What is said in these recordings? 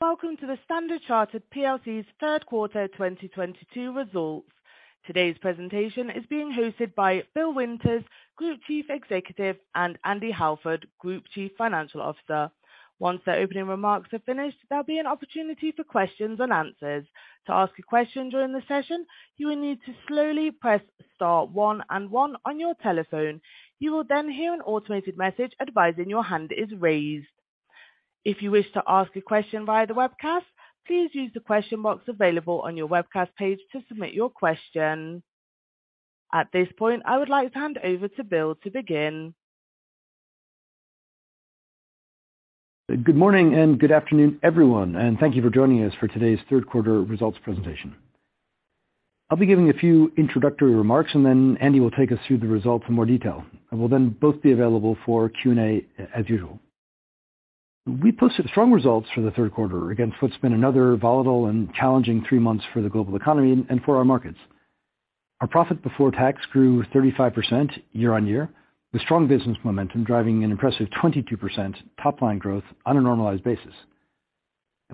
Welcome to the Standard Chartered Plc's Third Quarter 2022 Results. Today's presentation is being hosted by Bill Winters, Group Chief Executive, and Andy Halford, Group Chief Financial Officer. Once their opening remarks are finished, there'll be an opportunity for questions and answers. To ask a question during the session, you will need to slowly press star one and one on your telephone. You will then hear an automated message advising your hand is raised. If you wish to ask a question via the webcast, please use the question box available on your webcast page to submit your question. At this point, I would like to hand over to Bill to begin. Good morning and good afternoon, everyone, and thank you for joining us for today's third quarter results presentation. I'll be giving a few introductory remarks, and then Andy will take us through the results in more detail. I will then both be available for Q&A as usual. We posted strong results for the third quarter against what's been another volatile and challenging three months for the global economy and for our markets. Our profit before tax grew 35% year-on-year, with strong business momentum driving an impressive 22% top-line growth on a normalized basis.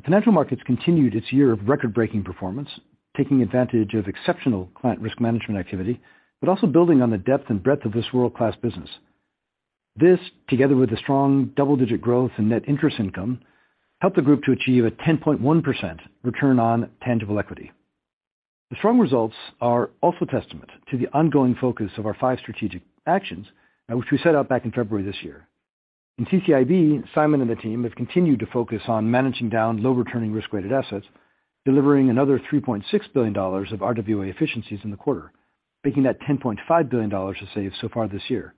Financial Markets continued its year of record-breaking performance, taking advantage of exceptional client risk management activity, but also building on the depth and breadth of this world-class business. This, together with the strong double-digit growth and net interest income, helped the group to achieve a 10.1% return on tangible equity. The strong results are also testament to the ongoing focus of our five strategic actions, which we set out back in February this year. In CCIB, Simon and the team have continued to focus on managing down low returning risk-weighted assets, delivering another $3.6 billion of RWA efficiencies in the quarter, making that $10.5 billion to date so far this year.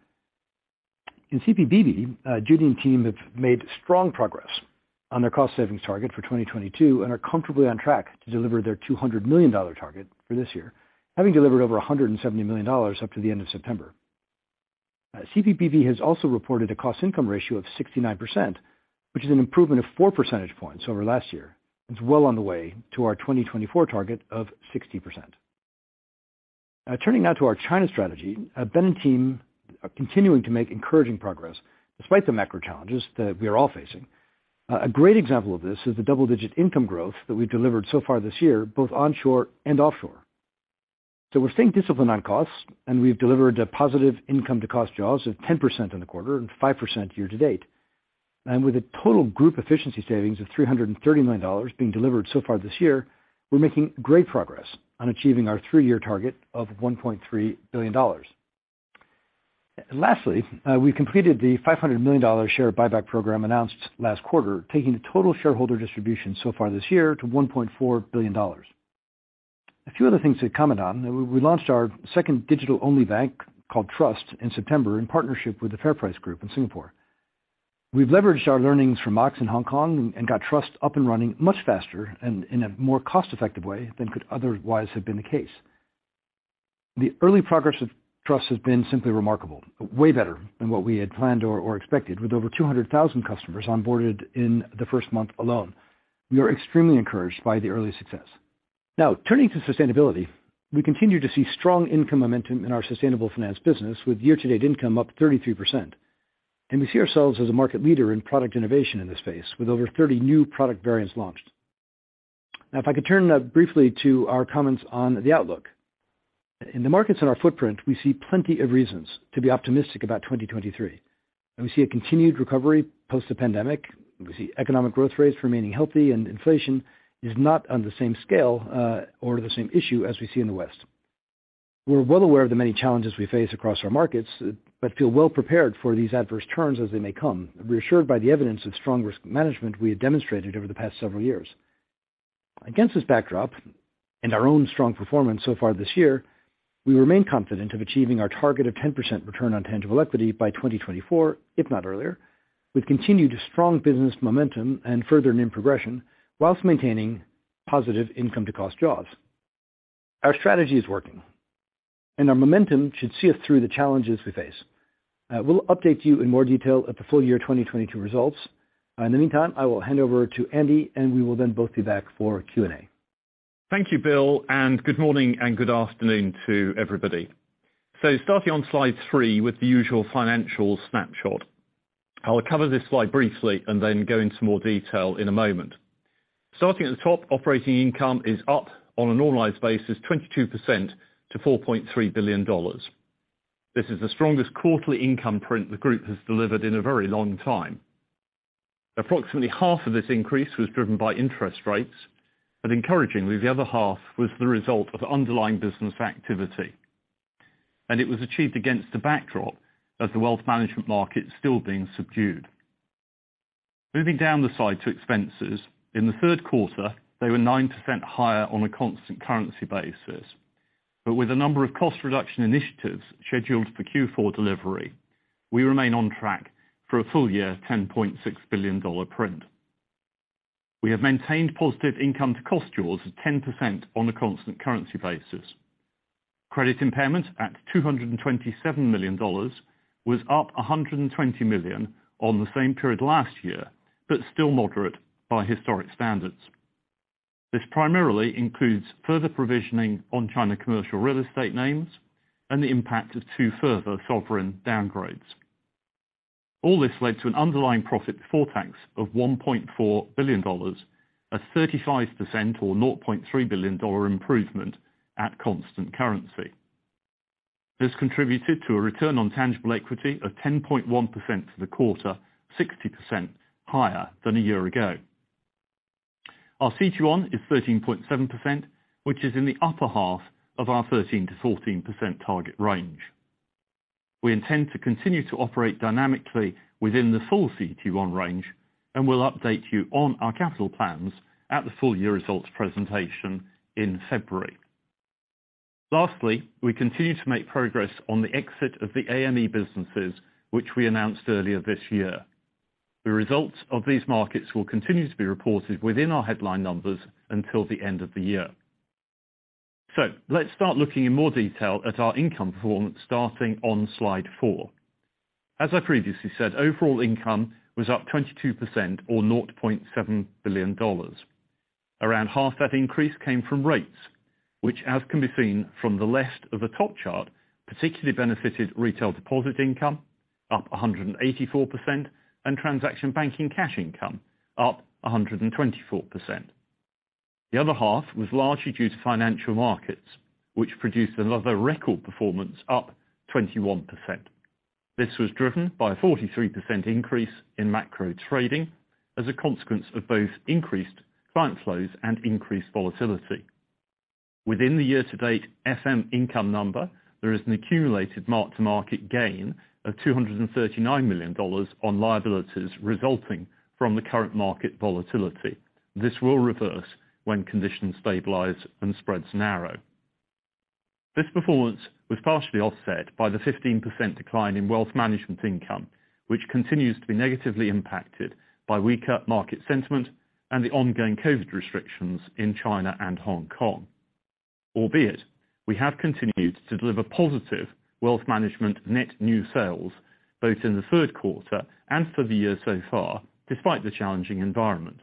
In CPBB, Judy and team have made strong progress on their cost savings target for 2022 and are comfortably on track to deliver their $200 million target for this year, having delivered over $170 million up to the end of September. CPBB has also reported a cost income ratio of 69%, which is an improvement of 4 percentage points over last year. It's well on the way to our 2024 target of 60%. Turning now to our China strategy. Ben and team are continuing to make encouraging progress despite the macro challenges that we are all facing. A great example of this is the double-digit income growth that we've delivered so far this year, both onshore and offshore. We're staying disciplined on costs, and we've delivered a positive income to cost jaws of 10% in the quarter and 5% year-to-date. With a total group efficiency savings of $330 million being delivered so far this year, we're making great progress on achieving our three-year target of $1.3 billion. Lastly, we completed the $500 million share buyback program announced last quarter, taking the total shareholder distribution so far this year to $1.4 billion. A few other things to comment on. We launched our second digital-only bank called Trust in September in partnership with the FairPrice Group in Singapore. We've leveraged our learnings from Mox in Hong Kong and got Trust up and running much faster and in a more cost-effective way than could otherwise have been the case. The early progress of Trust has been simply remarkable, way better than what we had planned or expected, with over 200,000 customers onboarded in the first month alone. We are extremely encouraged by the early success. Now, turning to sustainability. We continue to see strong income momentum in our sustainable finance business with year-to-date income up 33%. We see ourselves as a market leader in product innovation in this space, with over 30 new product variants launched. Now if I could turn briefly to our comments on the outlook. In the markets in our footprint, we see plenty of reasons to be optimistic about 2023, and we see a continued recovery post the pandemic. We see economic growth rates remaining healthy and inflation is not on the same scale or the same issue as we see in the West. We're well aware of the many challenges we face across our markets, but feel well prepared for these adverse turns as they may come. Reassured by the evidence of strong risk management we have demonstrated over the past several years. Against this backdrop and our own strong performance so far this year, we remain confident of achieving our target of 10% return on tangible equity by 2024, if not earlier. We've continued strong business momentum and further NIM progression while maintaining positive income to cost jaws. Our strategy is working, and our momentum should see us through the challenges we face. We'll update you in more detail at the full-year 2022 results. In the meantime, I will hand over to Andy, and we will then both be back for Q&A. Thank you, Bill, and good morning and good afternoon to everybody. Starting on slide three with the usual financial snapshot. I'll cover this slide briefly and then go into more detail in a moment. Starting at the top, operating income is up on a normalized basis, 22% to $4.3 billion. This is the strongest quarterly income print the group has delivered in a very long time. Approximately half of this increase was driven by interest rates, but encouragingly, the other half was the result of underlying business activity. It was achieved against the backdrop of the Wealth Management market still being subdued. Moving down the slide to expenses. In the third quarter, they were 9% higher on a constant currency basis. with a number of cost reduction initiatives scheduled for Q4 delivery, we remain on track for a full year $10.6 billion print. We have maintained positive income to cost jaws of 10% on a constant currency basis. Credit impairment at $227 million was up $120 million on the same period last year, but still moderate by historic standards. This primarily includes further provisioning on China commercial real estate names and the impact of two further sovereign downgrades. All this led to an underlying profit before tax of $1.4 billion, a 35% or $0.3 billion improvement at constant currency. This contributed to a return on tangible equity of 10.1% for the quarter, 60% higher than a year ago. Our CET1 is 13.7%, which is in the upper half of our 13%-14% target range. We intend to continue to operate dynamically within the full CET1 range, and we'll update you on our capital plans at the full year results presentation in February. Lastly, we continue to make progress on the exit of the AME businesses, which we announced earlier this year. The results of these markets will continue to be reported within our headline numbers until the end of the year. Let's start looking in more detail at our income performance starting on slide four. As I previously said, overall income was up 22% or $0.7 billion. Around half that increase came from rates which, as can be seen from the left of the top chart, particularly benefited retail deposit income up 184% and Transaction Banking cash income up 124%. The other half was largely due to Financial Markets, which produced another record performance up 21%. This was driven by a 43% increase in macro trading as a consequence of both increased client flows and increased volatility. Within the year-to-date FM income number, there is an accumulated mark-to-market gain of $239 million on liabilities resulting from the current market volatility. This will reverse when conditions stabilize and spreads narrow. This performance was partially offset by the 15% decline in Wealth Management income, which continues to be negatively impacted by weaker market sentiment and the ongoing COVID restrictions in China and Hong Kong. Albeit, we have continued to deliver positive Wealth Management net new sales both in the third quarter and for the year so far, despite the challenging environment.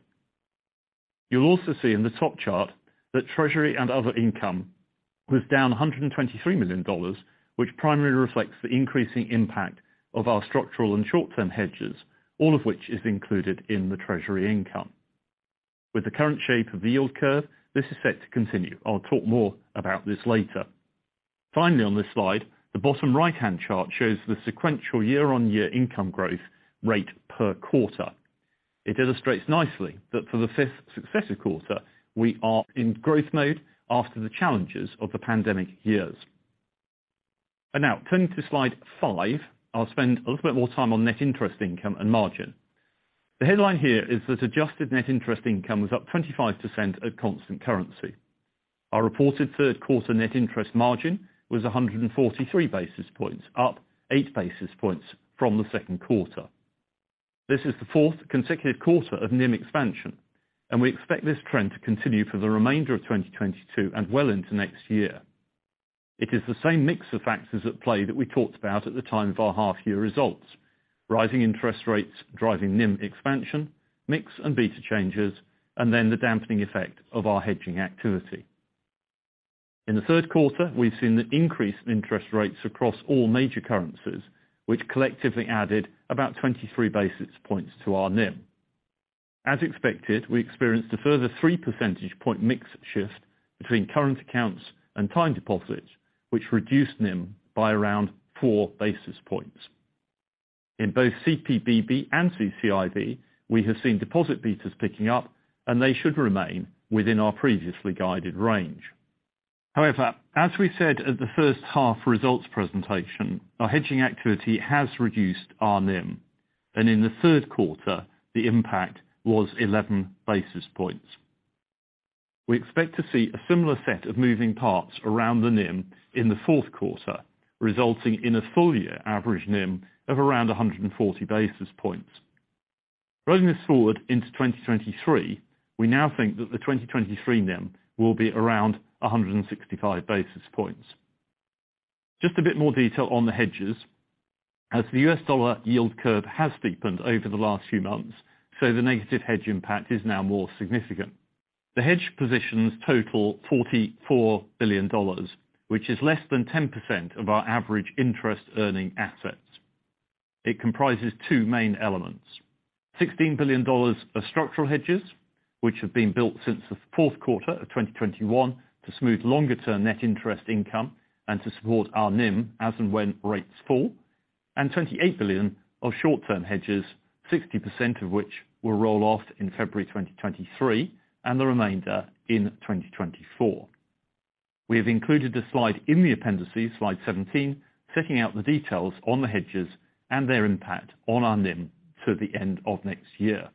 You'll also see in the top chart that treasury and other income was down $123 million, which primarily reflects the increasing impact of our structural and short-term hedges, all of which is included in the treasury income. With the current shape of the yield curve, this is set to continue. I'll talk more about this later. Finally, on this slide, the bottom right-hand chart shows the sequential year-on-year income growth rate per quarter. It illustrates nicely that for the fifth successive quarter, we are in growth mode after the challenges of the pandemic years. Now turning to slide five. I'll spend a little bit more time on net interest income and margin. The headline here is that adjusted net interest income was up 25% at constant currency. Our reported third quarter net interest margin was 143 basis points, up 8 basis points from the second quarter. This is the fourth consecutive quarter of NIM expansion, and we expect this trend to continue for the remainder of 2022 and well into next year. It is the same mix of factors at play that we talked about at the time of our half year results. Rising interest rates driving NIM expansion, mix and beta changes, and then the dampening effect of our hedging activity. In the third quarter, we've seen the increase in interest rates across all major currencies, which collectively added about 23 basis points to our NIM. As expected, we experienced a further 3 percentage point mix shift between current accounts and time deposits, which reduced NIM by around 4 basis points. In both CPBB and CCIB, we have seen deposit betas picking up, and they should remain within our previously guided range. However, as we said at the first half results presentation, our hedging activity has reduced our NIM, and in the third quarter, the impact was 11 basis points. We expect to see a similar set of moving parts around the NIM in the fourth quarter, resulting in a full-year average NIM of around 140 basis points. Rolling this forward into 2023, we now think that the 2023 NIM will be around 165 basis points. Just a bit more detail on the hedges. As the U.S. Dollar yield curve has steepened over the last few months, so the negative hedge impact is now more significant. The hedge positions total $44 billion, which is less than 10% of our average interest earning assets. It comprises two main elements. $16 billion of structural hedges, which have been built since the fourth quarter of 2021 to smooth longer term net interest income and to support our NIM as and when rates fall. $28 billion of short-term hedges, 60% of which will roll off in February 2023 and the remainder in 2024. We have included a slide in the appendices, slide 17, setting out the details on the hedges and their impact on our NIM through the end of next year.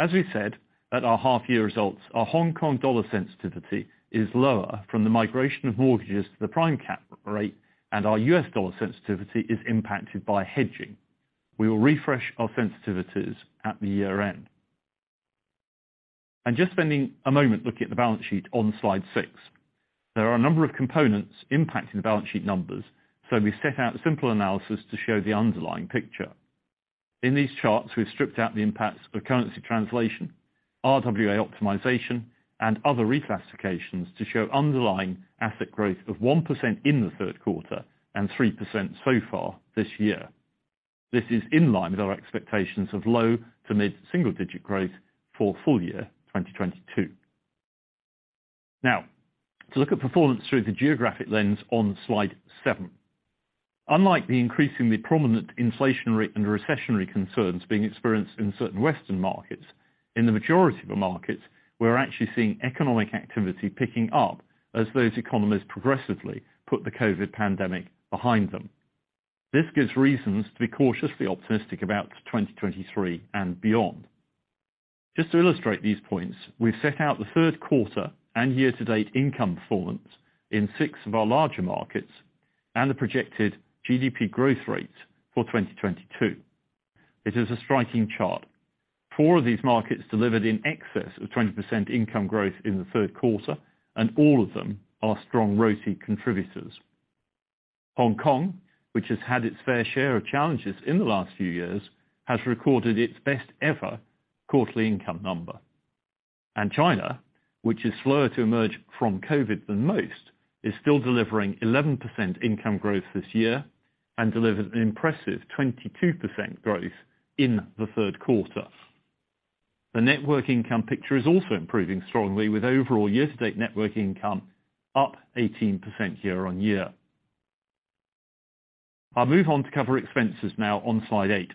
As we said at our half-year results, our Hong Kong dollar sensitivity is lower from the migration of mortgages to the prime cap rate and our U.S. dollar sensitivity is impacted by hedging. We will refresh our sensitivities at the year-end. Just spending a moment looking at the balance sheet on slide six. There are a number of components impacting the balance sheet numbers, so we set out a simple analysis to show the underlying picture. In these charts, we've stripped out the impacts of currency translation, RWA optimization, and other reclassifications to show underlying asset growth of 1% in the third quarter and 3% so far this year. This is in line with our expectations of low to mid-single digit growth for full-year 2022. Now, to look at performance through the geographic lens on slide seven. Unlike the increasingly prominent inflationary and recessionary concerns being experienced in certain western markets, in the majority of the markets, we're actually seeing economic activity picking up as those economies progressively put the COVID pandemic behind them. This gives reasons to be cautiously optimistic about 2023 and beyond. Just to illustrate these points, we've set out the third quarter and year-to-date income performance in six of our larger markets and the projected GDP growth rates for 2022. It is a striking chart. Four of these markets delivered in excess of 20% income growth in the third quarter, and all of them are strong RoTE contributors. Hong Kong, which has had its fair share of challenges in the last few years, has recorded its best ever quarterly income number. China, which is slower to emerge from COVID than most, is still delivering 11% income growth this year and delivered an impressive 22% growth in the third quarter. The network income picture is also improving strongly with overall year-to-date network income up 18% year-on-year. I'll move on to cover expenses now on slide eight.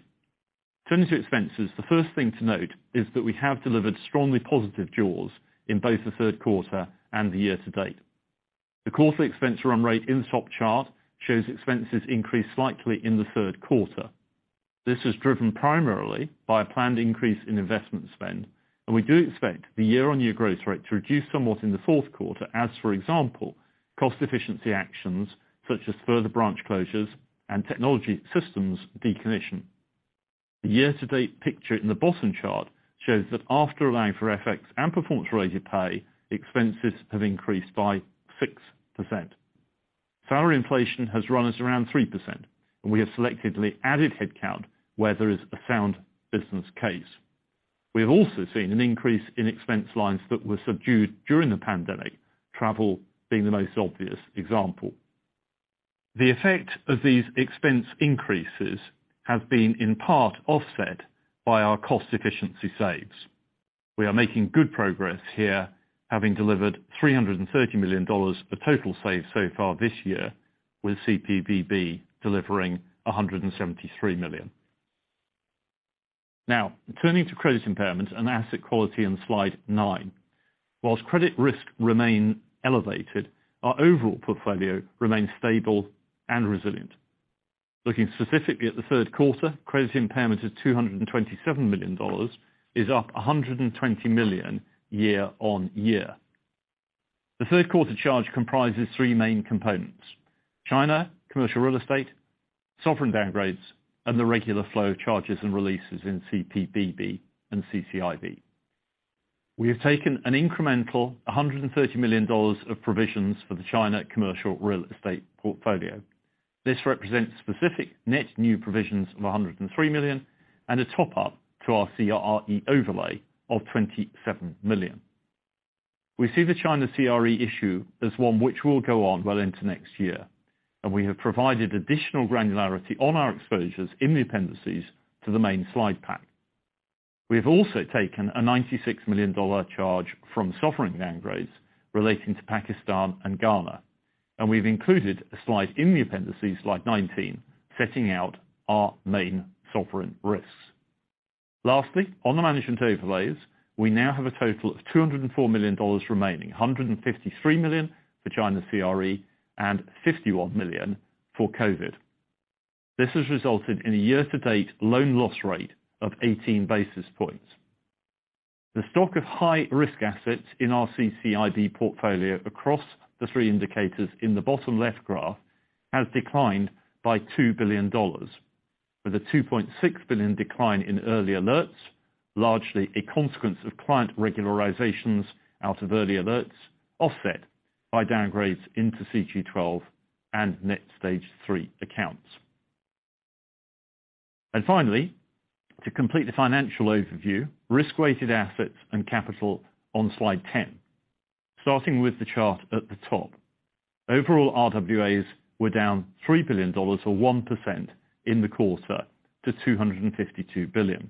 Turning to expenses, the first thing to note is that we have delivered strongly positive jaws in both the third quarter and the year to date. The quarterly expense run rate in the top chart shows expenses increased slightly in the third quarter. This is driven primarily by a planned increase in investment spend, and we do expect the year-on-year growth rate to reduce somewhat in the fourth quarter. As, for example, cost efficiency actions such as further branch closures and technology systems decommissioning. The year-to-date picture in the bottom chart shows that after allowing for FX and performance-related pay, expenses have increased by 6%. Salary inflation has run at around 3%, and we have selectively added headcount where there is a sound business case. We have also seen an increase in expense lines that were subdued during the pandemic, travel being the most obvious example. The effect of these expense increases have been in part offset by our cost efficiency saves. We are making good progress here, having delivered $330 million of total saves so far this year with CPBB delivering $173 million. Now, turning to credit impairments and asset quality on slide nine. While credit risks remain elevated, our overall portfolio remains stable and resilient. Looking specifically at the third quarter, credit impairment of $227 million is up $120 million year-on-year. The third quarter charge comprises three main components. China commercial real estate, sovereign downgrades, and the regular flow of charges and releases in CPBB and CCIB. We have taken an incremental $130 million of provisions for the China commercial real estate portfolio. This represents specific net new provisions of $103 million and a top-up to our CRE overlay of $27 million. We see the China CRE issue as one which will go on well into next year, and we have provided additional granularity on our exposures in the appendices to the main slide pack. We have also taken a $96 million charge from sovereign downgrades relating to Pakistan and Ghana, and we've included a slide in the appendices, slide 19, setting out our main sovereign risks. Lastly, on the management overlays, we now have a total of $204 million remaining. $153 million for China CRE and $51 million for COVID. This has resulted in a year-to-date loan loss rate of 18 basis points. The stock of high-risk assets in our CCIB portfolio across the three indicators in the bottom left graph has declined by $2 billion, with a $2.6 billion decline in early alerts, largely a consequence of client regularizations out of early alerts, offset by downgrades into CET1 and net Stage 3 accounts. Finally, to complete the financial overview, risk-weighted assets and capital on slide 10. Starting with the chart at the top. Overall, RWAs were down $3 billion or 1% in the quarter to $252 billion.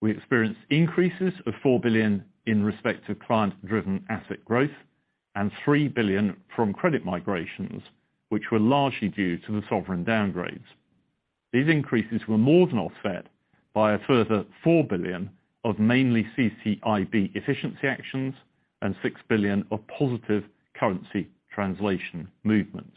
We experienced increases of $4 billion in respect to client driven asset growth and $3 billion from credit migrations, which were largely due to the sovereign downgrades. These increases were more than offset by a further $4 billion of mainly CCIB efficiency actions and $6 billion of positive currency translation movements.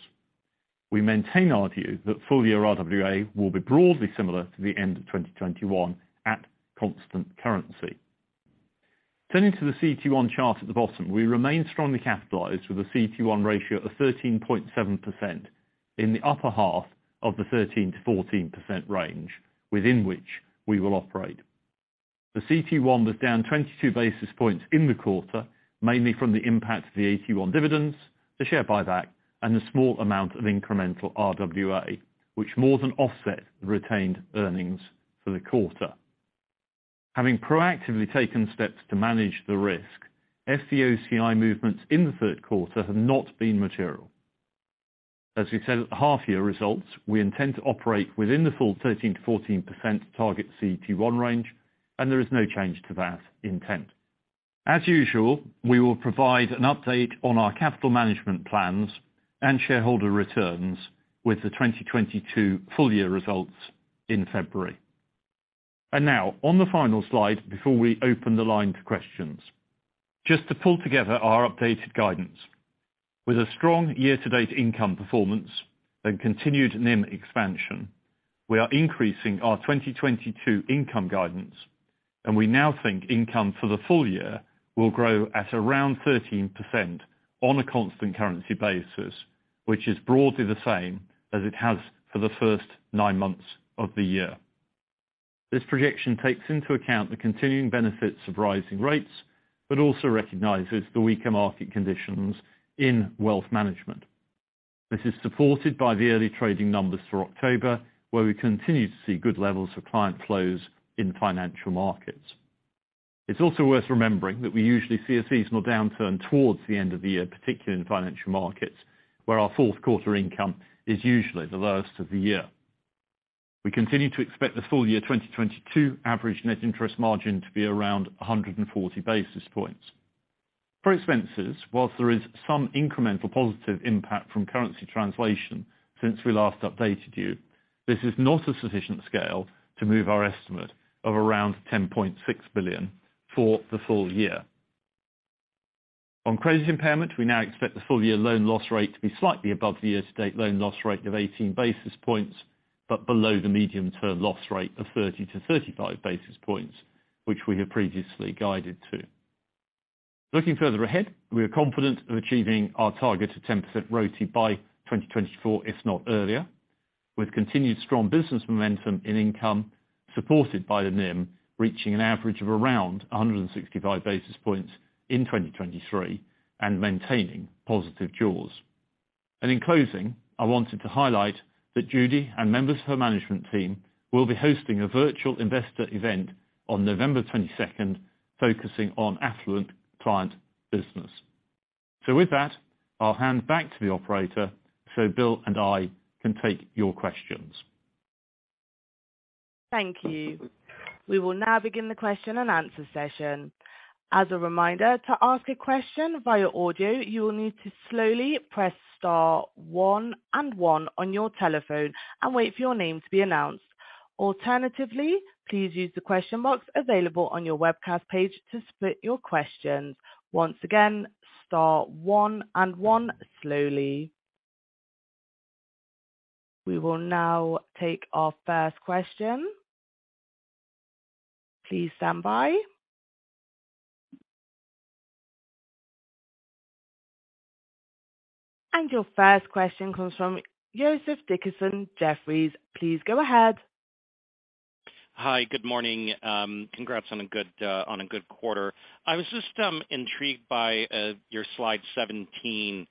We maintain our view that full year RWA will be broadly similar to the end of 2021 at constant currency. Turning to the CET1 chart at the bottom, we remain strongly capitalized with a CET1 ratio of 13.7% in the upper half of the 13%-14% range within which we will operate. The CET1 was down 22 basis points in the quarter, mainly from the impact of the AT1 dividends, the share buyback, and the small amount of incremental RWA, which more than offset the retained earnings for the quarter. Having proactively taken steps to manage the risk, FVOCI movements in the third quarter have not been material. As we said at the half year results, we intend to operate within the full 13%-14% target CET1 range, and there is no change to that intent. As usual, we will provide an update on our capital management plans and shareholder returns with the 2022 full-year results in February. Now on the final slide before we open the line to questions. Just to pull together our updated guidance. With a strong year to date income performance and continued NIM expansion, we are increasing our 2022 income guidance, and we now think income for the full year will grow at around 13% on a constant currency basis, which is broadly the same as it has for the first nine months of the year. This projection takes into account the continuing benefits of rising rates, but also recognizes the weaker market conditions in Wealth Management. This is supported by the early trading numbers for October, where we continue to see good levels of client flows in Financial Markets. It's also worth remembering that we usually see a seasonal downturn towards the end of the year, particularly in Financial Markets, where our fourth quarter income is usually the lowest of the year. We continue to expect the full year 2022 average net interest margin to be around 140 basis points. For expenses, while there is some incremental positive impact from currency translation since we last updated you, this is not a sufficient scale to move our estimate of around $10.6 billion for the full year. On credit impairment, we now expect the full year loan loss rate to be slightly above the year to date loan loss rate of 18 basis points, but below the medium term loss rate of 30-35 basis points, which we have previously guided to. Looking further ahead, we are confident of achieving our target of 10% RoTE by 2024, if not earlier. With continued strong business momentum in income supported by the NIM reaching an average of around 165 basis points in 2023 and maintaining positive jaws. In closing, I wanted to highlight that Judy and members of her management team will be hosting a virtual investor event on November twenty-second, focusing on affluent client business. With that, I'll hand back to the operator so Bill and I can take your questions. Thank you. We will now begin the question-and-answer session. As a reminder to ask a question via audio, you will need to slowly press star one and one on your telephone and wait for your name to be announced. Alternatively, please use the question box available on your webcast page to submit your questions. Once again, star one and one slowly. We will now take our first question. Please stand by. Your first question comes from Joseph Dickerson, Jefferies. Please go ahead. Hi. Good morning. Congrats on a good quarter. I was just intrigued by your slide 17,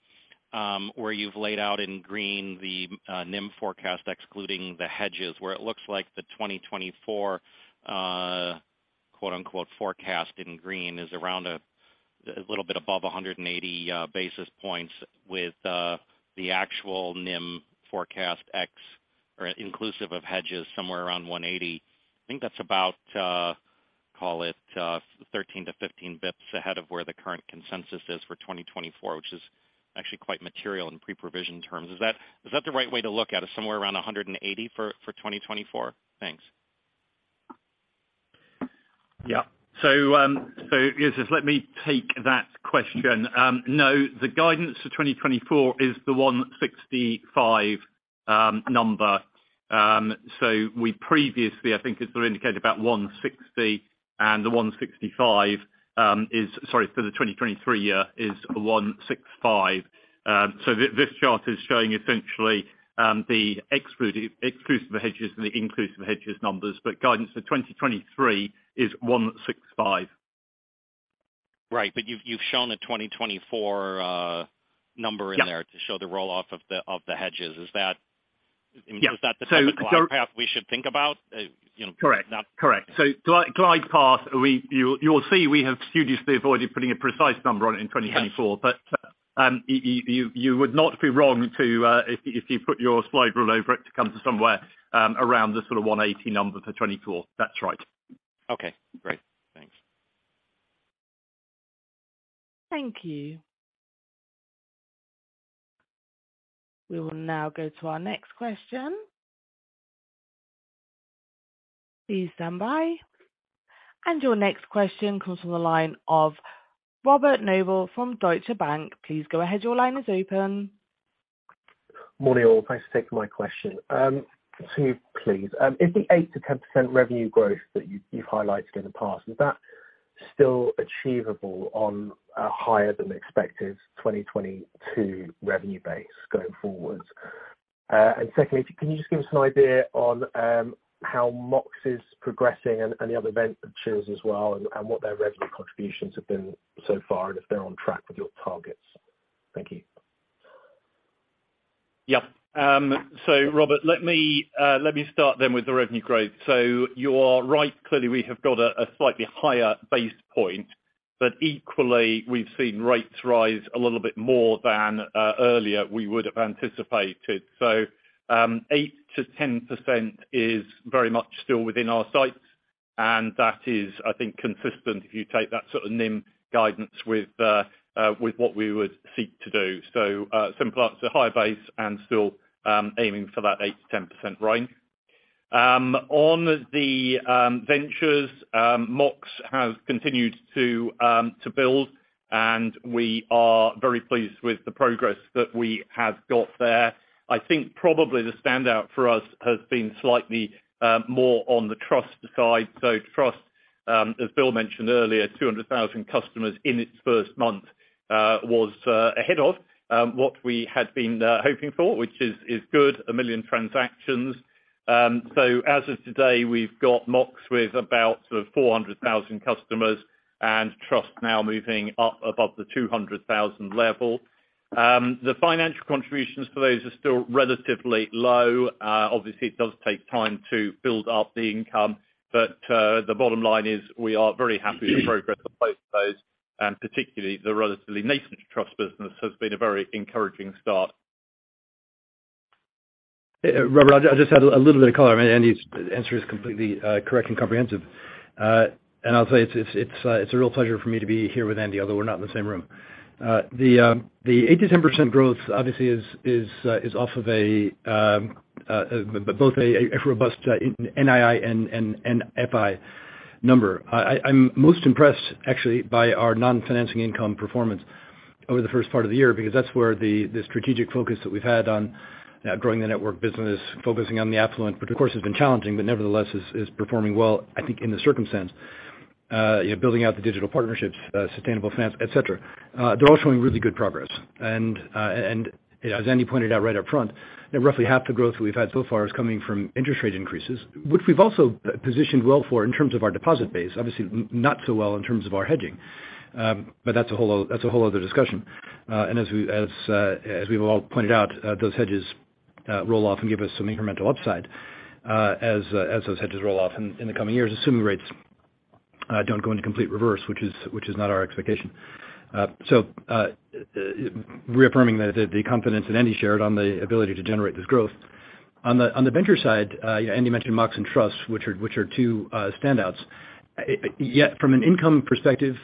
where you've laid out in green the NIM forecast, excluding the hedges, where it looks like the 2024 quote unquote forecast in green is around a little bit above 180 basis points with the actual NIM forecast ex or inclusive of hedges somewhere around 180. I think that's about call it 13-15 basis points ahead of where the current consensus is for 2024, which is actually quite material in pre-provision terms. Is that the right way to look at it, somewhere around 180 for 2024? Thanks. Joseph, let me take that question. No, the guidance for 2024 is the 165 number. We previously, I think as we indicated about 160 and the 165. Sorry, for the 2023 year is 165. This chart is showing essentially the excluding hedges and the including hedges numbers. Guidance for 2023 is 165. Right. You've shown a 2024 number in there- Yeah. ...to show the roll off of the hedges. Is that- Yeah. Is that the type of glide path we should think about? You know. Correct. Glide path, you will see we have studiously avoided putting a precise number on it in 2024. Yes. You would not be wrong to, if you put your slide rule over it to come to somewhere around the sort of 180 number for 2024. That's right. Okay, great. Thanks. Thank you. We will now go to our next question. Please stand by. Your next question comes from the line of Robert Noble from Deutsche Bank. Please go ahead. Your line is open. Morning, all. Thanks for taking my question. To you, please. Is the 8%-10% revenue growth that you've highlighted in the past, is that Still achievable on a higher than expected 2022 revenue base going forward. Secondly, can you just give us an idea on how Mox is progressing and the other ventures as well, and what their revenue contributions have been so far, and if they're on track with your targets? Thank you. Yeah. Robert, let me start then with the revenue growth. You are right. Clearly, we have got a slightly higher base point, but equally we've seen rates rise a little bit more than earlier we would've anticipated. 8%-10% is very much still within our sights. And that is, I think, consistent if you take that sort of NIM guidance with what we would seek to do. Simple answer, high base and still aiming for that 8%-10% range. On the Ventures, Mox has continued to build, and we are very pleased with the progress that we have got there. I think probably the standout for us has been slightly more on the Trust side. Trust, as Bill mentioned earlier, 200,000 customers in its first month, was ahead of what we had been hoping for, which is good. 1 million transactions. As of today, we've got Mox with about 400,000 customers and Trust now moving up above the 200,000 level. The financial contributions for those are still relatively low. Obviously it does take time to build up the income. The bottom line is we are very happy with the progress of both of those, and particularly the relatively nascent Trust business has been a very encouraging start. Robert, I just had a little bit of color. I mean, Andy's answer is completely correct and comprehensive. I'll tell you, it's a real pleasure for me to be here with Andy, although we're not in the same room. The 8%-10% growth obviously is off of both a robust NII and [NFI] number. I'm most impressed actually by our non-financing income performance over the first part of the year because that's where the strategic focus that we've had on growing the network business, focusing on the affluent, which of course has been challenging, but nevertheless is performing well, I think, in the circumstance. You know, building out the digital partnerships, sustainable finance, et cetera, they're all showing really good progress. As Andy pointed out right up front, that roughly half the growth we've had so far is coming from interest rate increases, which we've also positioned well for in terms of our deposit base. Obviously, not so well in terms of our hedging. That's a whole other discussion. As we've all pointed out, those hedges roll off and give us some incremental upside, as those hedges roll off in the coming years, assuming rates don't go into complete reverse, which is not our expectation. Reaffirming the confidence that Andy shared on the ability to generate this growth. On the Venture side, Andy mentioned Mox and Trust, which are two standouts. From an income perspective,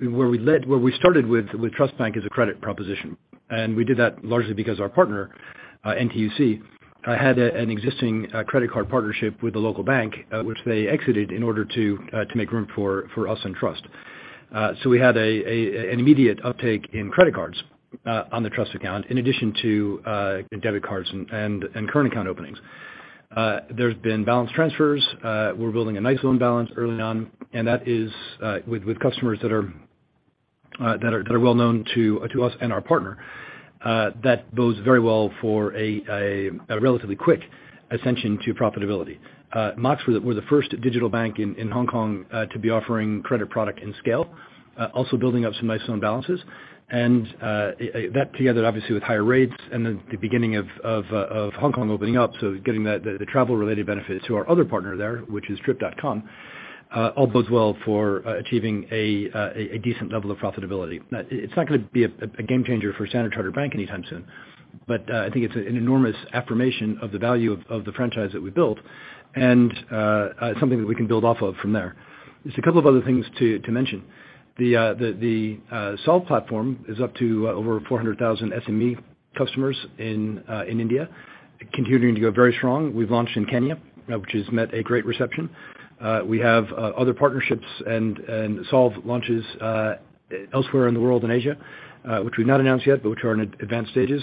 where we led, where we started with Trust Bank as a credit proposition, and we did that largely because our partner NTUC had an existing credit card partnership with the local bank, which they exited in order to make room for us and Trust. We had an immediate uptake in credit cards on the Trust account, in addition to debit cards and current account openings. There's been balance transfers. We're building a nice loan balance early on, and that is with customers that are well known to us and our partner, that bodes very well for a relatively quick ascension to profitability. Mox, we're the first digital bank in Hong Kong to be offering credit product and scale, also building up some nice loan balances. That together obviously with higher rates and the beginning of Hong Kong opening up, so getting the travel related benefits to our other partner there, which is Trip.com, all bodes well for achieving a decent level of profitability. Now, it's not gonna be a game changer for Standard Chartered Bank anytime soon, but I think it's an enormous affirmation of the value of the franchise that we built and something that we can build off of from there. Just a couple of other things to mention. The Solv platform is up to over 400,000 SME customers in India, continuing to go very strong. We've launched in Kenya, which has met a great reception. We have other partnerships and Solv launches elsewhere in the world in Asia, which we've not announced yet, but which are in advanced stages.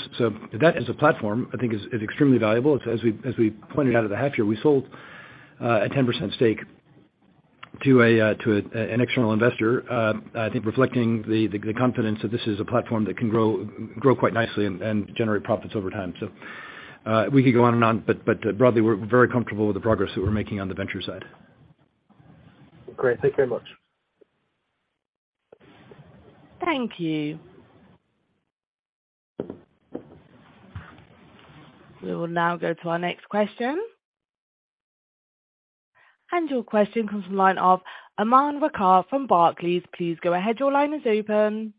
That as a platform, I think is extremely valuable. As we pointed out at the half year, we sold a 10% stake to an external investor. I think reflecting the confidence that this is a platform that can grow quite nicely and generate profits over time. We could go on and on, but broadly, we're very comfortable with the progress that we're making on the Venture side. Great. Thank you very much. Thank you. We will now go to our next question. Your question comes from the line of Aman Rakkar from Barclays. Please go ahead. Your line is open.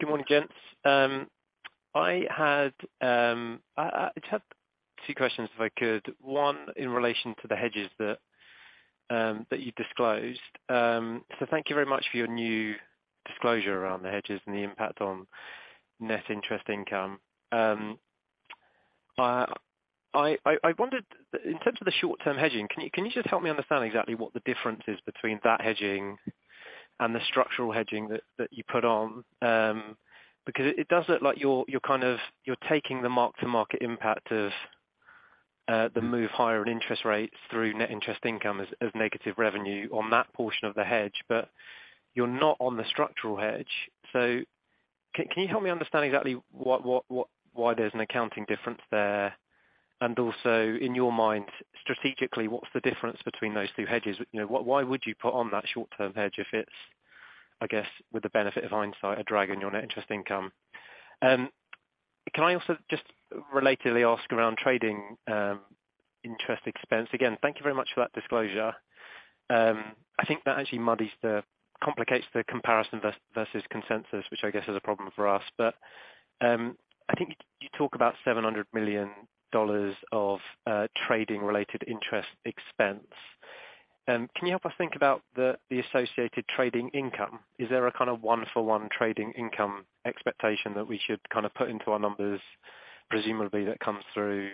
Good morning, gents. I just had two questions, if I could. One in relation to the hedges that you disclosed. Thank you very much for your new disclosure around the hedges and the impact on net interest income. I wondered in terms of the short-term hedging, can you just help me understand exactly what the difference is between that hedging and the structural hedging that you put on? Because it does look like you're kind of taking the mark-to-market impact of the move higher in interest rates through net interest income as negative revenue on that portion of the hedge. But you're not on the structural hedge. Can you help me understand exactly what, why there's an accounting difference there? Also, in your mind, strategically, what's the difference between those two hedges? You know, why would you put on that short-term hedge if it's, I guess, with the benefit of hindsight, a drag on your net interest income? Can I also just relatedly ask around trading interest expense? Again, thank you very much for that disclosure. I think that actually complicates the comparison versus consensus, which I guess is a problem for us. I think you talk about $700 million of trading-related interest expense. Can you help us think about the associated trading income? Is there a kinda one-for-one trading income expectation that we should kinda put into our numbers, presumably that comes through,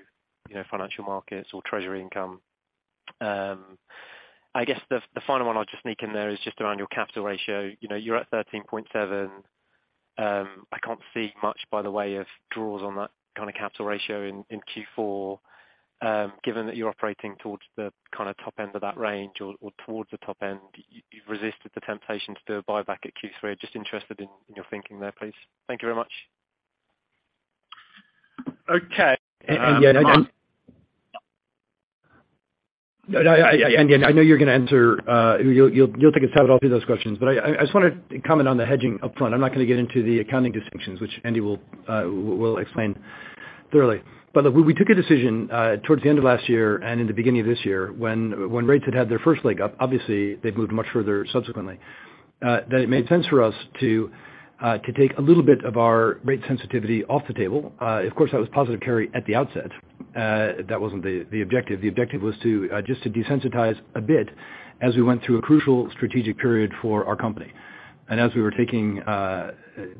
you know, Financial Markets or treasury income? I guess the final one I'll just sneak in there is just around your capital ratio. You know, you're at 13.7%. I can't see much, by the way, of draws on that kinda capital ratio in Q4. Given that you're operating towards the kinda top end of that range or towards the top end, you've resisted the temptation to do a buyback at Q3. Just interested in your thinking there, please. Thank you very much. Okay. And yet, and... Tom. Andy, I know you're gonna answer. You'll take a stab at all three of those questions. I just wanna comment on the hedging upfront. I'm not gonna get into the accounting distinctions, which Andy will explain thoroughly. When we took a decision towards the end of last year and in the beginning of this year, when rates had their first leg up, obviously they've moved much further subsequently, that it made sense for us to take a little bit of our rate sensitivity off the table. Of course, that was positive carry at the outset. That wasn't the objective. The objective was to just desensitize a bit as we went through a crucial strategic period for our company and as we were taking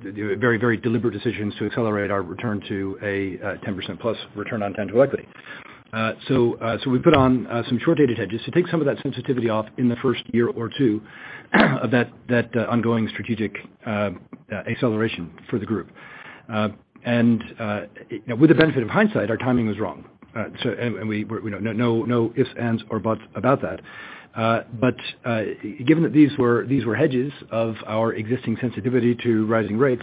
very, very deliberate decisions to accelerate our return to a 10%+ return on tangible equity. We put on some short-dated hedges to take some of that sensitivity off in the first year or two of that ongoing strategic acceleration for the group. With the benefit of hindsight, our timing was wrong. No, no ifs, ands or buts about that. Given that these were hedges of our existing sensitivity to rising rates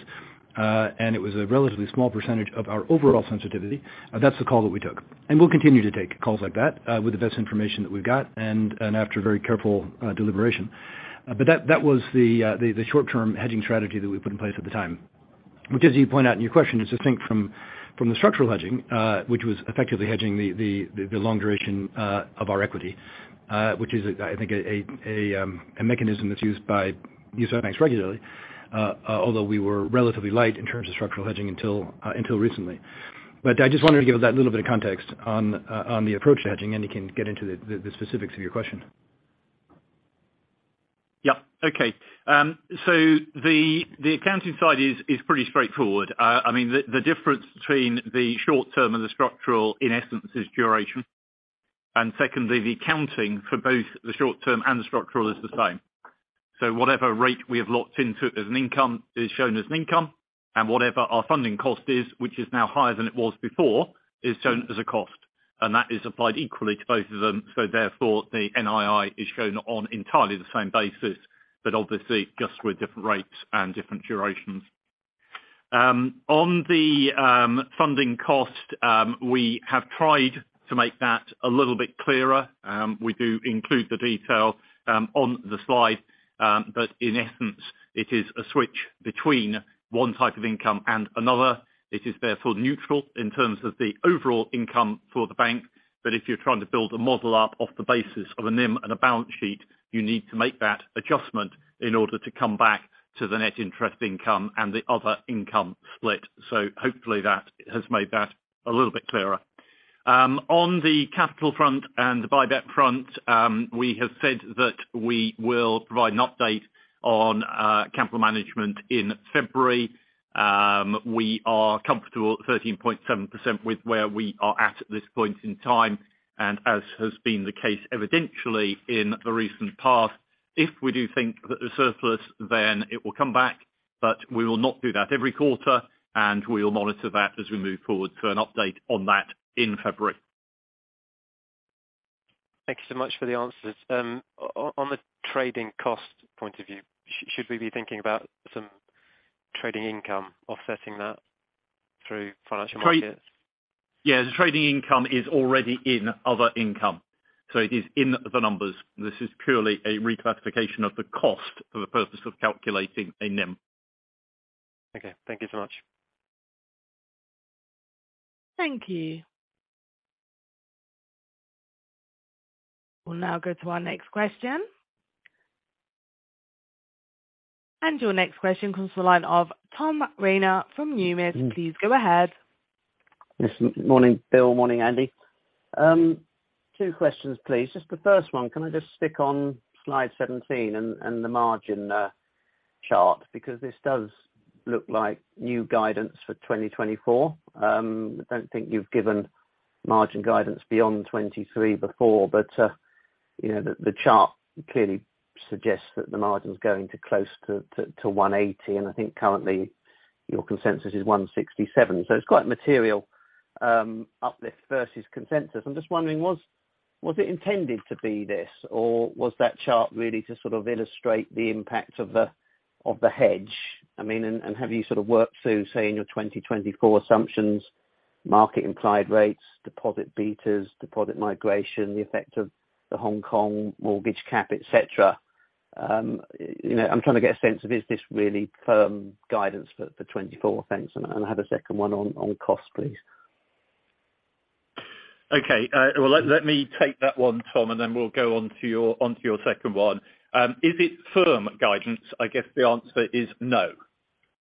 and it was a relatively small percentage of our overall sensitivity, that's the call that we took. We'll continue to take calls like that, with the best information that we've got and after very careful deliberation. That was the short-term hedging strategy that we put in place at the time. Which as you point out in your question, is distinct from the structural hedging, which was effectively hedging the long duration of our equity, which is, I think, a mechanism that's used by U.S. banks regularly, although we were relatively light in terms of structural hedging until recently. I just wanted to give that little bit of context on the approach to hedging. Andy can get into the specifics of your question. Yeah. Okay. The accounting side is pretty straightforward. I mean, the difference between the short-term and the structural, in essence, is duration. Secondly, the accounting for both the short-term and the structural is the same. Whatever rate we have locked into as an income is shown as an income, and whatever our funding cost is, which is now higher than it was before, is shown as a cost. That is applied equally to both of them. Therefore, the NII is shown on entirely the same basis, but obviously just with different rates and different durations. On the funding cost, we have tried to make that a little bit clearer. We do include the detail on the slide, but in essence, it is a switch between one type of income and another. It is therefore neutral in terms of the overall income for the bank. If you're trying to build a model up off the basis of a NIM and a balance sheet, you need to make that adjustment in order to come back to the net interest income and the other income split. Hopefully that has made that a little bit clearer. On the capital front and the buyback front, we have said that we will provide an update on capital management in February. We are comfortable at 13.7% with where we are at this point in time, and as has been the case evidentially in the recent past, if we do think that there's surplus, then it will come back, but we will not do that every quarter, and we will monitor that as we move forward to an update on that in February. Thank you so much for the answers. On the trading cost point of view, should we be thinking about some trading income offsetting that through Financial Markets? Yeah. The trading income is already in other income, so it is in the numbers. This is purely a reclassification of the cost for the purpose of calculating a NIM. Okay. Thank you so much. Thank you. We'll now go to our next question. Your next question comes from the line of Tom Rayner from Numis. Please go ahead. Yes. Morning, Bill. Morning, Andy. Two questions, please. Just the first one, can I just stick on slide 17 and the margin chart? Because this does look like new guidance for 2024. I don't think you've given margin guidance beyond 2023 before, but you know, the chart clearly suggests that the margin's going to close to 180, and I think currently your consensus is 167. So it's quite material uplift versus consensus. I'm just wondering was it intended to be this, or was that chart really to sort of illustrate the impact of the hedge? I mean, and have you sort of worked through, say, in your 2024 assumptions, market implied rates, deposit betas, deposit migration, the effect of the Hong Kong Prime cap rate, et cetera. You know, I'm trying to get a sense of is this really firm guidance for 2024? Thanks. I have a second one on cost, please. Okay. Well, let me take that one, Tom, and then we'll go onto your second one. Is it firm guidance? I guess, the answer is no.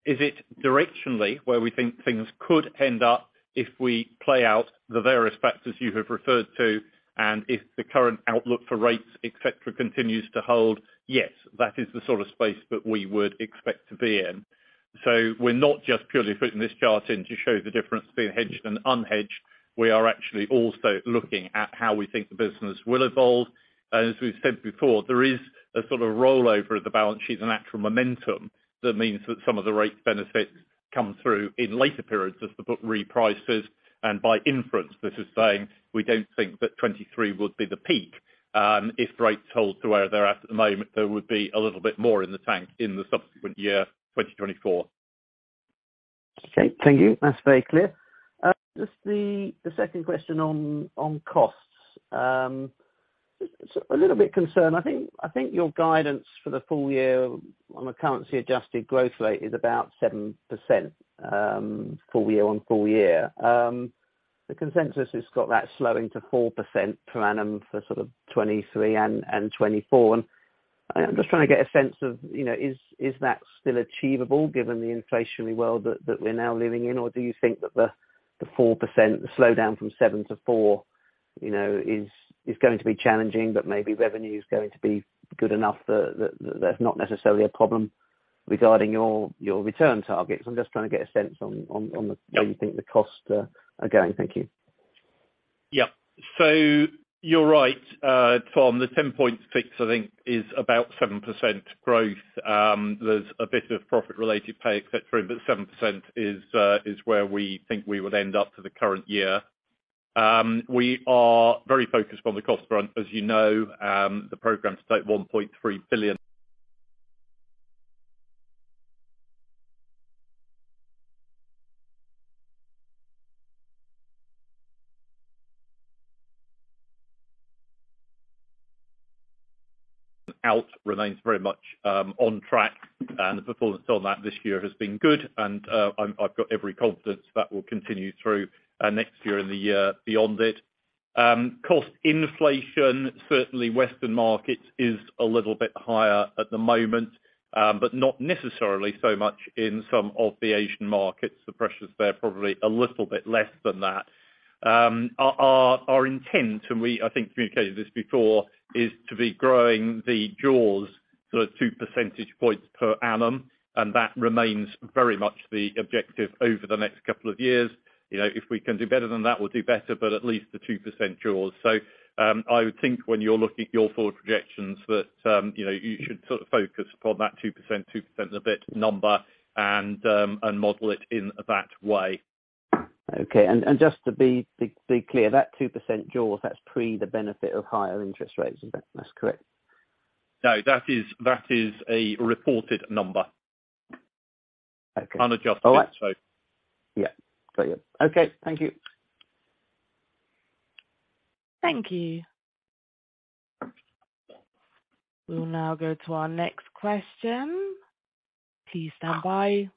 Is it directionally where we think things could end up if we play out the various factors you have referred to, and if the current outlook for rates, et cetera, continues to hold? Yes, that is the sort of space that we would expect to be in. We're not just purely putting this chart in to show the difference between hedged and unhedged. We are actually also looking at how we think the business will evolve. As we've said before, there is a sort of rollover of the balance sheet and actual momentum that means that some of the rates benefit come through in later periods as the book reprices. By inference, this is saying, we don't think that 2023 would be the peak. If the rates hold to where they're at the moment, there would be a little bit more in the tank in the subsequent year, 2024. Okay. Thank you. That's very clear. Just the second question on costs. A little bit concerned. I think your guidance for the full year on a currency adjusted growth rate is about 7%, full-year on full-year. The consensus has got that slowing to 4% per annum for sort of 2023 and 2024. I'm just trying to get a sense of, you know, is that still achievable given the inflationary world that we're now living in? Or do you think that the 4%, the slowdown from 7%-4%, you know, is going to be challenging, but maybe revenue is going to be good enough that that's not necessarily a problem regarding your return targets? I'm just trying to get a sense on the- Yeah. ...the way you think the costs are going. Thank you. Yeah. You're right, Tom. The 10 points fix, I think is about 7% growth. There's a bit of profit related pay, et cetera, but 7% is where we think we would end up for the current year. We are very focused on the cost front. As you know, the program to take $1.3 billion out remains very much on track, and the performance on that this year has been good. I've got every confidence that will continue through next year and the year beyond it. Cost inflation, certainly in Western markets, is a little bit higher at the moment, but not necessarily so much in some of the Asian markets. The pressures there probably are a little bit less than that. Our intent, and we, I think, communicated this before, is to be growing the jaws to 2 percentage points per annum, and that remains very much the objective over the next couple of years. You know, if we can do better than that, we'll do better, but at least the 2% jaws. I would think when you're looking at your forward projections that, you know, you should sort of focus upon that 2%, 2% number and model it in that way. Okay. Just to be clear, that 2% jaws, that's pre the benefit of higher interest rates. Is that correct? No, that is a reported number. Okay. Unadjusted. All right. So. Yeah. Got you. Okay. Thank you. Thank you. We'll now go to our next question. Please stand by.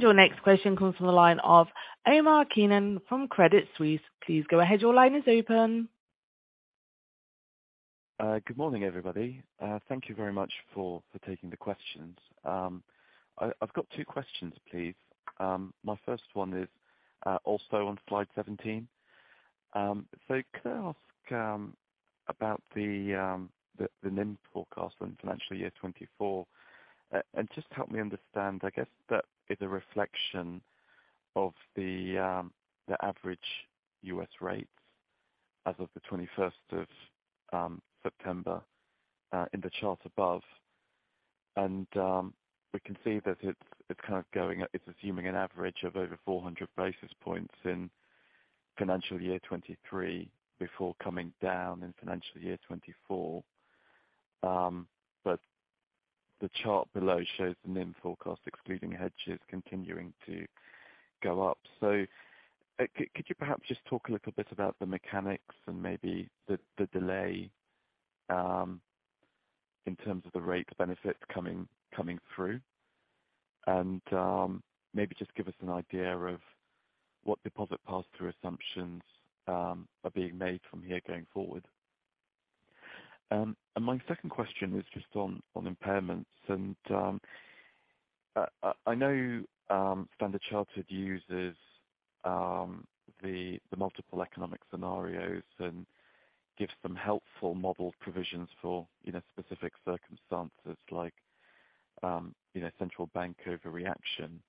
Your next question comes from the line of Omar Keenan from Credit Suisse. Please go ahead. Your line is open. Good morning, everybody. Thank you very much for taking the questions. I've got two questions, please. My first one is also on slide 17. Can I ask about the NIM forecast on financial year 2024? Just help me understand, I guess that is a reflection of the average U.S. rates as of the 21st of September in the chart above. We can see that it's kind of going up. It's assuming an average of over 400 basis points in financial year 2023 before coming down in financial year 2024. The chart below shows the NIM forecast excluding hedges continuing to go up. Could you perhaps just talk a little bit about the mechanics and maybe the delay in terms of the rate benefit coming through? Maybe just give us an idea of what deposit pass-through assumptions are being made from here going forward. My second question is just on impairments. I know Standard Chartered uses the multiple economic scenarios and gives some helpful modeled provisions for, you know, specific circumstances like, you know, central bank overreaction.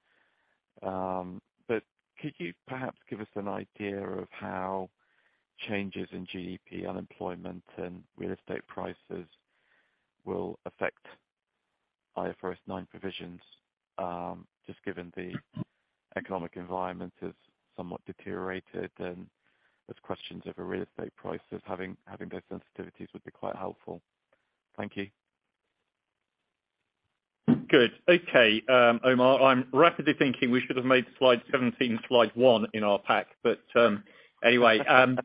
But could you perhaps give us an idea of how changes in GDP unemployment and real estate prices will affect IFRS 9 provisions, just given the economic environment is somewhat deteriorated and there's questions over real estate prices, having those sensitivities would be quite helpful. Thank you. Good. Okay. Omar, I'm rapidly thinking we should have made slide 17, slide one in our pack. Anyway, so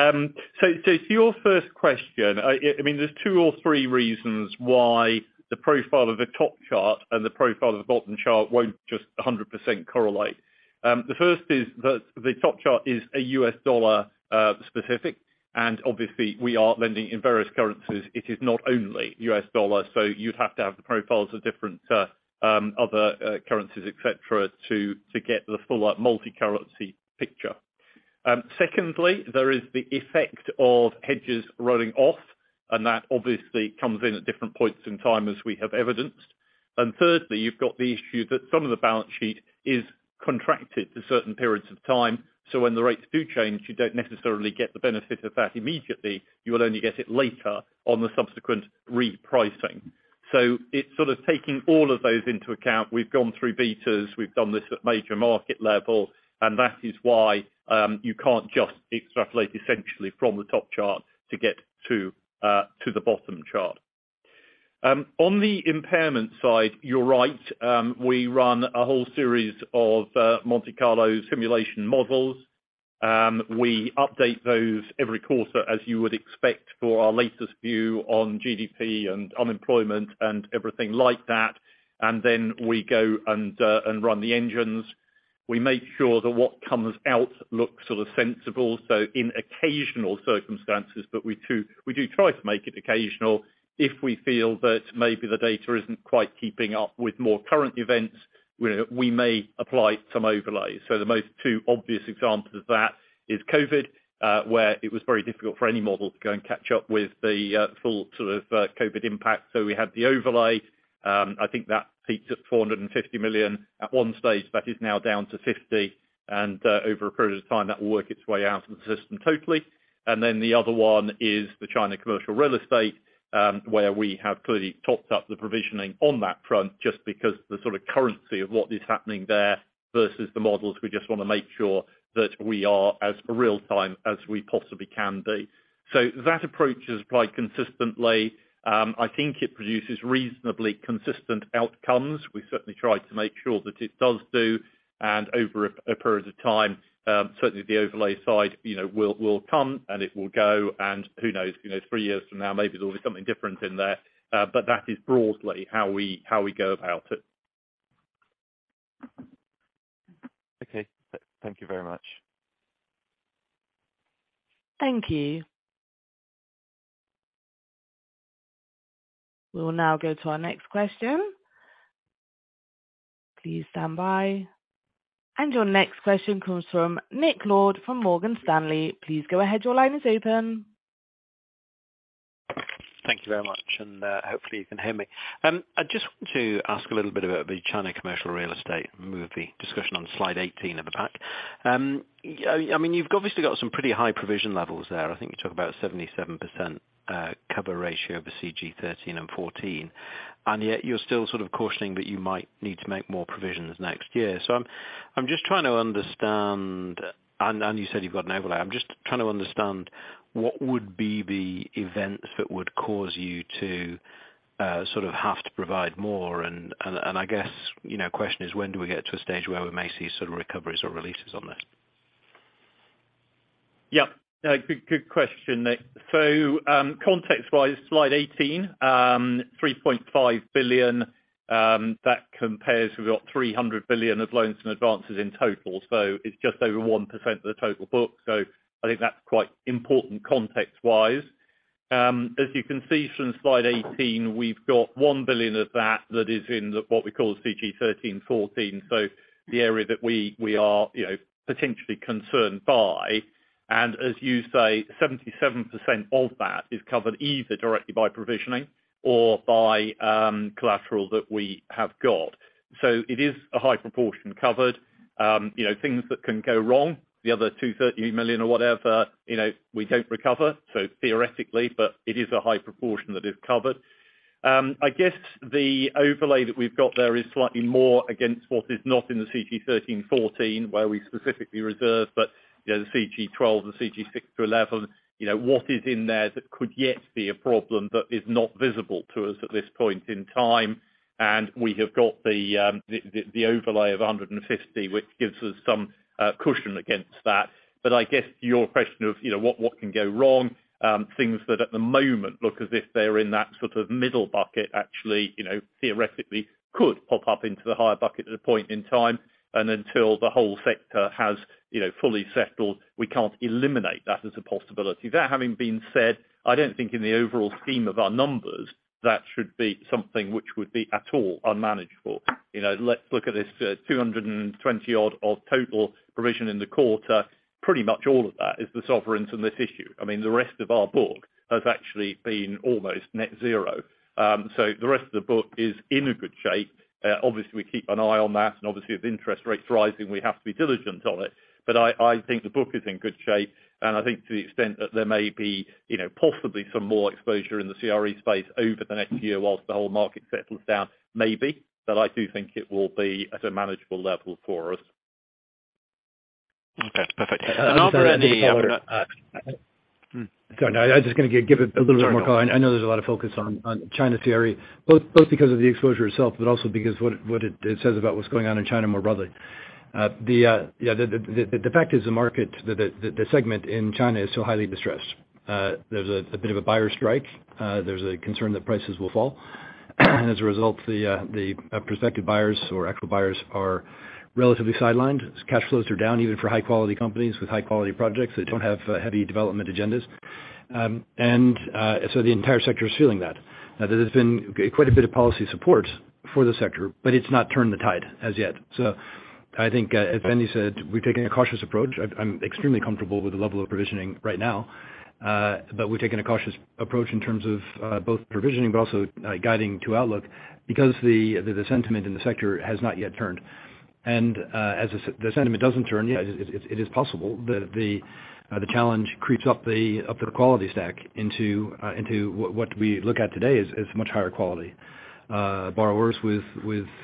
to your first question, I mean, there are two or three reasons why the profile of the top chart and the profile of the bottom chart won't just 100% correlate. The first is that the top chart is a U.S. dollar-specific, and obviously we are lending in various currencies. It is not only U.S. dollars, so you'd have to have the profiles of different other currencies, et cetera, to get the full like multi-currency picture. Secondly, there is the effect of hedges rolling off, and that obviously comes in at different points in time as we have evidenced. Thirdly, you've got the issue that some of the balance sheet is contracted to certain periods of time. When the rates do change, you don't necessarily get the benefit of that immediately. You'll only get it later on the subsequent repricing. It's sort of taking all of those into account. We've gone through betas, we've done this at major market level, and that is why you can't just extrapolate essentially from the top chart to get to the bottom chart. On the impairment side, you're right. We run a whole series of Monte Carlo simulation models. We update those every quarter, as you would expect for our latest view on GDP and unemployment and everything like that. We go and run the engines. We make sure that what comes out looks sort of sensible. In occasional circumstances, we do try to make it occasional. If we feel that maybe the data isn't quite keeping up with more current events, we know we may apply some overlays. The two most obvious examples of that is COVID, where it was very difficult for any model to go and catch up with the full sort of COVID impact. We had the overlay. I think that peaked at $450 million at one stage. That is now down to $50 million. Over a period of time, that will work its way out of the system totally. The other one is the China commercial real estate, where we have clearly topped up the provisioning on that front just because the sort of currency of what is happening there versus the models. We just wanna make sure that we are as real time as we possibly can be. That approach is applied consistently. I think it produces reasonably consistent outcomes. We certainly try to make sure that it does do, and over a period of time, certainly the overlay side, you know, will come and it will go. Who knows, you know, three years from now, maybe there'll be something different in there. That is broadly how we go about it. Okay. Thank you very much. Thank you. We'll now go to our next question. Please stand by. Your next question comes from Nick Lord from Morgan Stanley. Please go ahead. Your line is open. Thank you very much. Hopefully you can hear me. I just want to ask a little bit about the China commercial real estate CRE discussion on slide 18 of the pack. I mean, you've obviously got some pretty high provision levels there. I think you talk about 77% cover ratio of the CG13 and 14, and yet you're still sort of cautioning that you might need to make more provisions next year. I'm just trying to understand, and you said you've got an overlay. I'm just trying to understand what would be the events that would cause you to sort of have to provide more. I guess, you know, question is when do we get to a stage where we may see sort of recoveries or releases on this? Yeah. No, good question, Nick. Context-wise, slide 18, $3.5 billion, that compares, we've got $300 billion of loans and advances in total. It's just over 1% of the total book. I think that's quite important context-wise. As you can see from slide 18, we've got $1 billion of that that is in the, what we call CG13. The area that we are, you know, potentially concerned by, and as you say, 77% of that is covered either directly by provisioning or by collateral that we have got. It is a high proportion covered, you know, things that can go wrong, the other $230 million or whatever, you know, we don't recover, so theoretically, but it is a high proportion that is covered. I guess the overlay that we've got there is slightly more against what is not in the CG13, 14 where we specifically reserve. You know, the CG12 and CG6 to CG11, you know, what is in there that could yet be a problem that is not visible to us at this point in time. We have got the overlay of 150, which gives us some cushion against that. I guess your question of, you know, what can go wrong, things that at the moment look as if they're in that sort of middle bucket actually, you know, theoretically could pop up into the higher bucket at a point in time. Until the whole sector has, you know, fully settled, we can't eliminate that as a possibility. That having been said, I don't think in the overall scheme of our numbers, that should be something which would be at all unmanageable. You know, let's look at this, $220-odd of total provision in the quarter. Pretty much all of that is the sovereigns and this issue. I mean, the rest of our book has actually been almost net zero. The rest of the book is in good shape. Obviously we keep an eye on that and obviously with interest rates rising, we have to be diligent on it. I think the book is in good shape, and I think to the extent that there may be, you know, possibly some more exposure in the CRE space over the next year while the whole market settles down. Maybe. I do think it will be at a manageable level for us. Okay, perfect. Are there any- Sorry, I was just gonna give it a little bit more color. I know there's a lot of focus on China story, both because of the exposure itself, but also because what it says about what's going on in China more broadly. The fact is the market segment in China is so highly distressed. There's a bit of a buyer strike. There's a concern that prices will fall. As a result, the prospective buyers or actual buyers are relatively sidelined. Cash flows are down even for high-quality companies with high-quality projects that don't have heavy development agendas. The entire sector is feeling that. Now, there's been quite a bit of policy support for the sector, but it's not turned the tide as yet. I think, as Andy said, we're taking a cautious approach. I'm extremely comfortable with the level of provisioning right now. We're taking a cautious approach in terms of both provisioning but also guiding to outlook because the sentiment in the sector has not yet turned. As the sentiment doesn't turn, yeah, it is possible that the challenge creeps up the quality stack into what we look at today is much higher quality borrowers with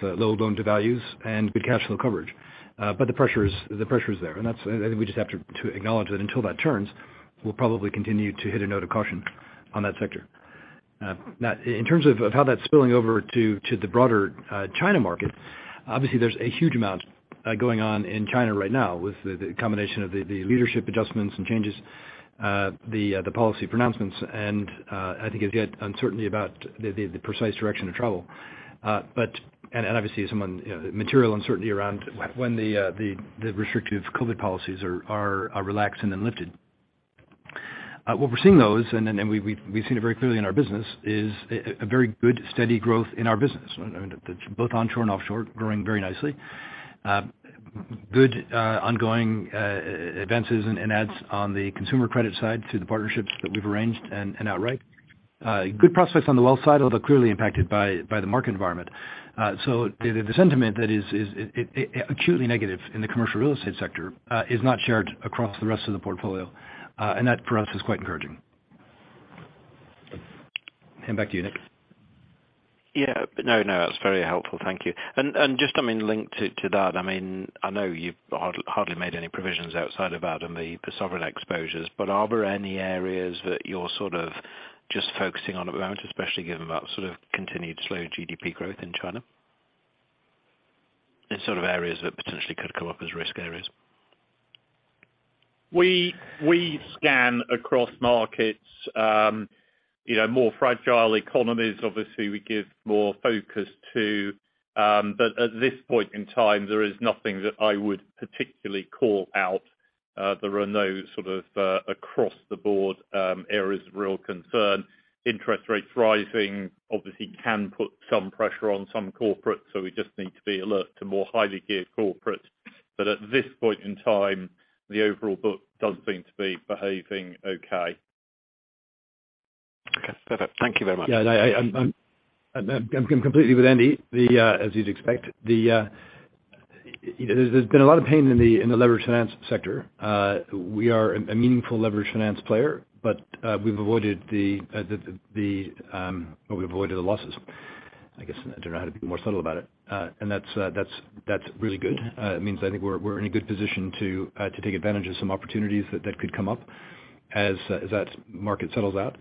low loan to values and good cash flow coverage. The pressure is there. That's, I think we just have to acknowledge that until that turns, we'll probably continue to hit a note of caution on that sector. Now in terms of how that's spilling over to the broader China market, obviously there's a huge amount going on in China right now with the combination of the leadership adjustments and changes, the policy pronouncements, and I think you get uncertainty about the precise direction of travel. Obviously some material uncertainty around when the restrictive COVID policies are relaxed and then lifted. What we're seeing though is we've seen it very clearly in our business: a very good steady growth in our business, both onshore and offshore, growing very nicely. Good ongoing advances and adds on the consumer credit side through the partnerships that we've arranged and outright. Good prospects on the Wealth side, although clearly impacted by the market environment. So the sentiment that is acutely negative in the commercial real estate sector is not shared across the rest of the portfolio, and that for us is quite encouraging. Back to you, Nick. Yeah. No, no, that's very helpful. Thank you. Just, I mean, linked to that, I mean, I know you've hardly made any provisions outside of the sovereign exposures, but are there any areas that you're sort of just focusing on at the moment, especially given that sort of continued slow GDP growth in China? Any sort of areas that potentially could come up as risk areas. We scan across markets, you know, more fragile economies, obviously, we give more focus to, but at this point in time, there is nothing that I would particularly call out. There are no sort of, across the board, areas of real concern. Interest rates rising obviously can put some pressure on some corporate, so we just need to be alert to more highly geared corporate. At this point in time, the overall book does seem to be behaving okay. Okay. Perfect. Thank you very much. Yeah. I'm completely with Andy. As you'd expect, there's been a lot of pain in the leveraged finance sector. We are a meaningful leveraged finance player, but we've avoided the losses. I guess I don't know how to be more subtle about it. That's really good. It means I think we're in a good position to take advantage of some opportunities that could come up as that market settles out.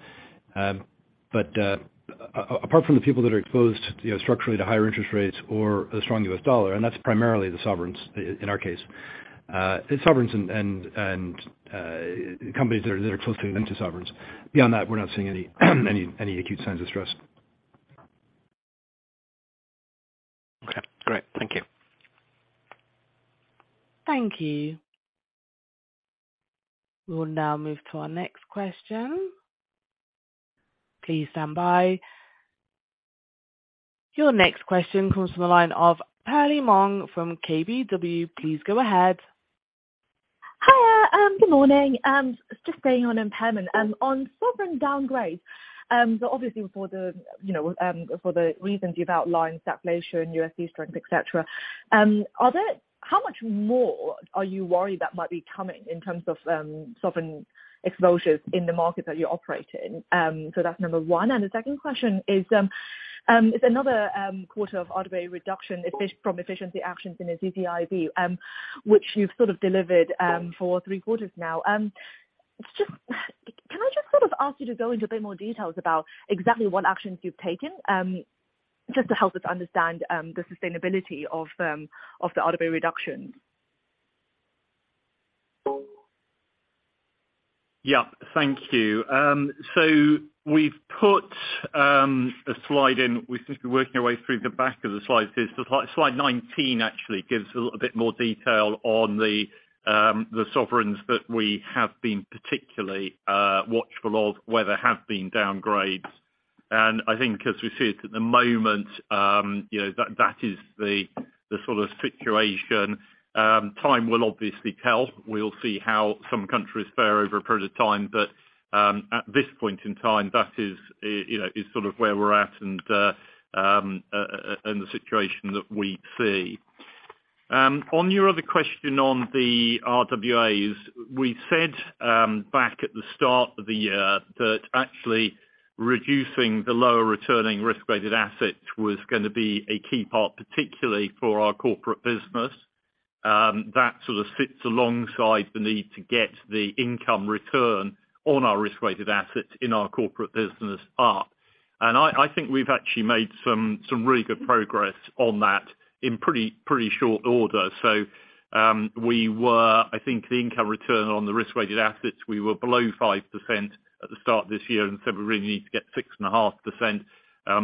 Apart from the people that are exposed, you know, structurally to higher interest rates or a strong U.S. dollar, that's primarily the sovereigns in our case. It's sovereigns and companies that are closely linked to sovereigns. Beyond that, we're not seeing any acute signs of stress. Okay, great. Thank you. Thank you. We'll now move to our next question. Please stand by. Your next question comes from the line of Perlie Mong from KBW. Please go ahead. Hiya, good morning. Just staying on impairment, on sovereign downgrade. Obviously for the, you know, for the reasons you've outlined, stagflation, USD strength, et cetera, how much more are you worried that might be coming in terms of sovereign exposures in the markets that you operate in? That's number one. The second question is another quarter of RWA reduction from efficiency actions in the CCIB, which you've sort of delivered, for three quarters now. Can I just sort of ask you to go into a bit more details about exactly what actions you've taken, just to help us understand the sustainability of the RWA reduction? Yeah. Thank you. So we've put a slide in. We've since been working our way through the back of the slides. Slide 19 actually gives a little bit more detail on the sovereigns that we have been particularly watchful of, where there have been downgrades. I think as we see it at the moment, you know, that is the sort of situation. Time will obviously tell. We'll see how some countries fare over a period of time. At this point in time, that is, you know, is sort of where we're at and the situation that we see. On your other question on the RWAs, we said, back at the start of the year that actually reducing the lower returning risk-weighted assets was gonna be a key part, particularly for our corporate business. That sort of sits alongside the need to get the income return on our risk-weighted assets in our corporate business up. I think we've actually made some really good progress on that in pretty short order. I think the income return on the risk-weighted assets, we were below 5% at the start of this year, and so we really need to get 6.5%.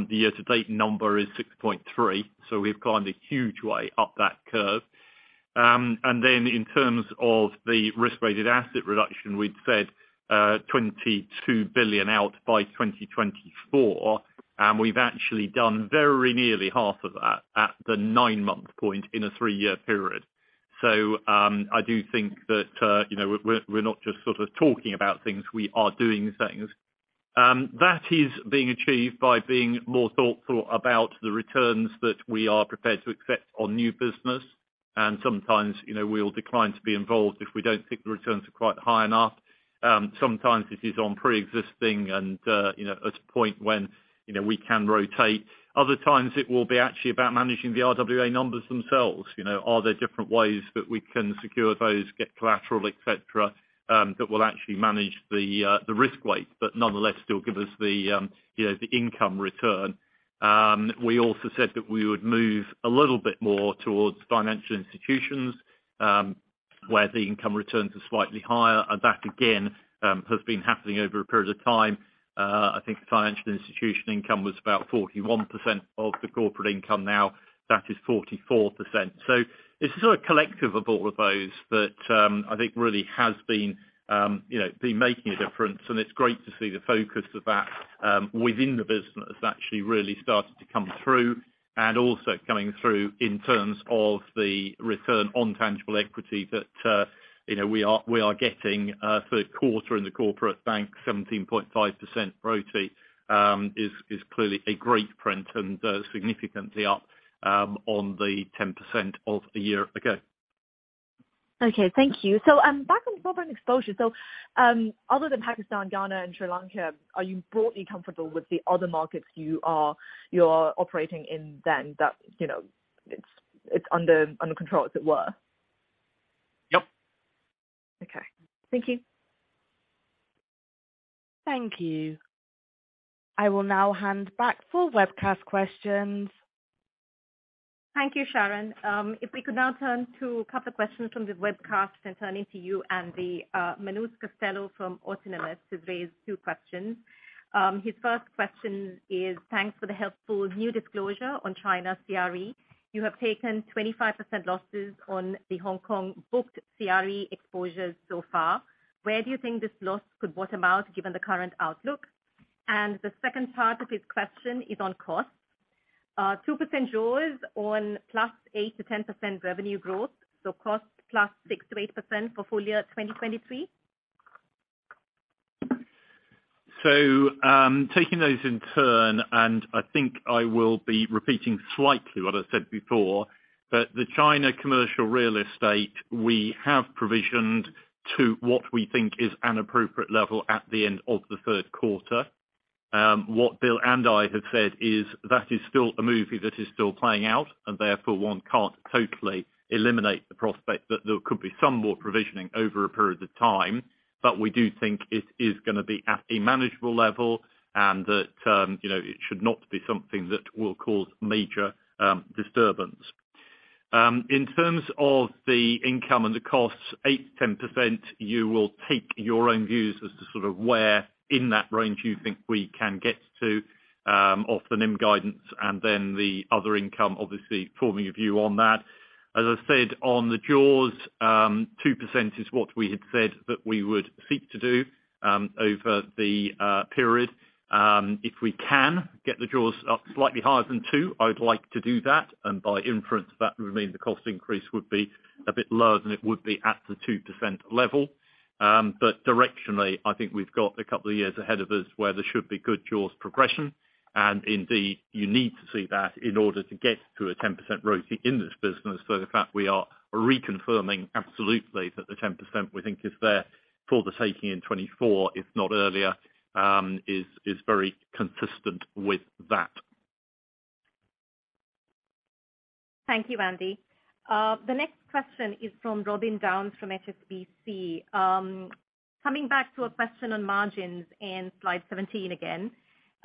The year-to-date number is 6.3, so we've climbed a huge way up that curve. In terms of the risk-weighted asset reduction, we'd said $22 billion out by 2024, and we've actually done very nearly half of that at the nine-month point in a three-year period. I do think that, you know, we're not just sort of talking about things, we are doing things. That is being achieved by being more thoughtful about the returns that we are prepared to accept on new business. Sometimes, you know, we'll decline to be involved if we don't think the returns are quite high enough. Sometimes it is on pre-existing and, you know, at a point when, you know, we can rotate. Other times it will be actually about managing the RWA numbers themselves, you know. Are there different ways that we can secure those, get collateral, et cetera, that will actually manage the risk weight, but nonetheless still give us the you know the income return. We also said that we would move a little bit more towards financial institutions where the income returns are slightly higher. That again has been happening over a period of time. I think financial institution income was about 41% of the corporate income. Now that is 44%. It's sort of collective of all of those that I think really has been you know been making a difference. It's great to see the focus of that within the business actually really starting to come through. Coming through in terms of the return on tangible equity that, you know, we are getting, third quarter in the corporate bank 17.5% RoTE is clearly a great print and significantly up on the 10% from a year ago. Okay. Thank you. Back on sovereign exposure. Other than Pakistan, Ghana and Sri Lanka, are you broadly comfortable with the other markets you're operating in then that, you know, it's under control as it were? Yep. Okay. Thank you. Thank you. I will now hand back for webcast questions. Thank you, Sharon. If we could now turn to a couple of questions from the webcast, turning to you, Andy. Manus Costello from Autonomous Research has raised two questions. His first question is, "Thanks for the helpful new disclosure on China CRE. You have taken 25% losses on the Hong Kong booked CRE exposures so far. Where do you think this loss could bottom out given the current outlook?" And the second part of his question is on costs. 2% jaws on +8%-10% revenue growth, so costs +6%-8% for full-year 2023? Taking those in turn, and I think I will be repeating slightly what I said before, but the China commercial real estate, we have provisioned to what we think is an appropriate level at the end of the third quarter. What Bill and I have said is that is still a movie that is still playing out and therefore one can't totally eliminate the prospect that there could be some more provisioning over a period of time. We do think it is gonna be at a manageable level and that, you know, it should not be something that will cause major, disturbance. In terms of the income and the costs, 8%-10%, you will take your own views as to sort of where in that range you think we can get to, off the NIM guidance and then the other income obviously forming a view on that. As I said on the jaws, 2% is what we had said that we would seek to do, over the period. If we can get the jaws up slightly higher than 2%, I would like to do that, and by inference that would mean the cost increase would be a bit lower than it would be at the 2% level. But directionally, I think we've got a couple of years ahead of us where there should be good jaws progression. Indeed, you need to see that in order to get to a 10% RoTE in this business, so the fact we are reconfirming absolutely that the 10% we think is there for the taking in 2024, if not earlier, is very consistent with that. Thank you, Andy. The next question is from Robin Down from HSBC. Coming back to a question on margins in slide 17 again.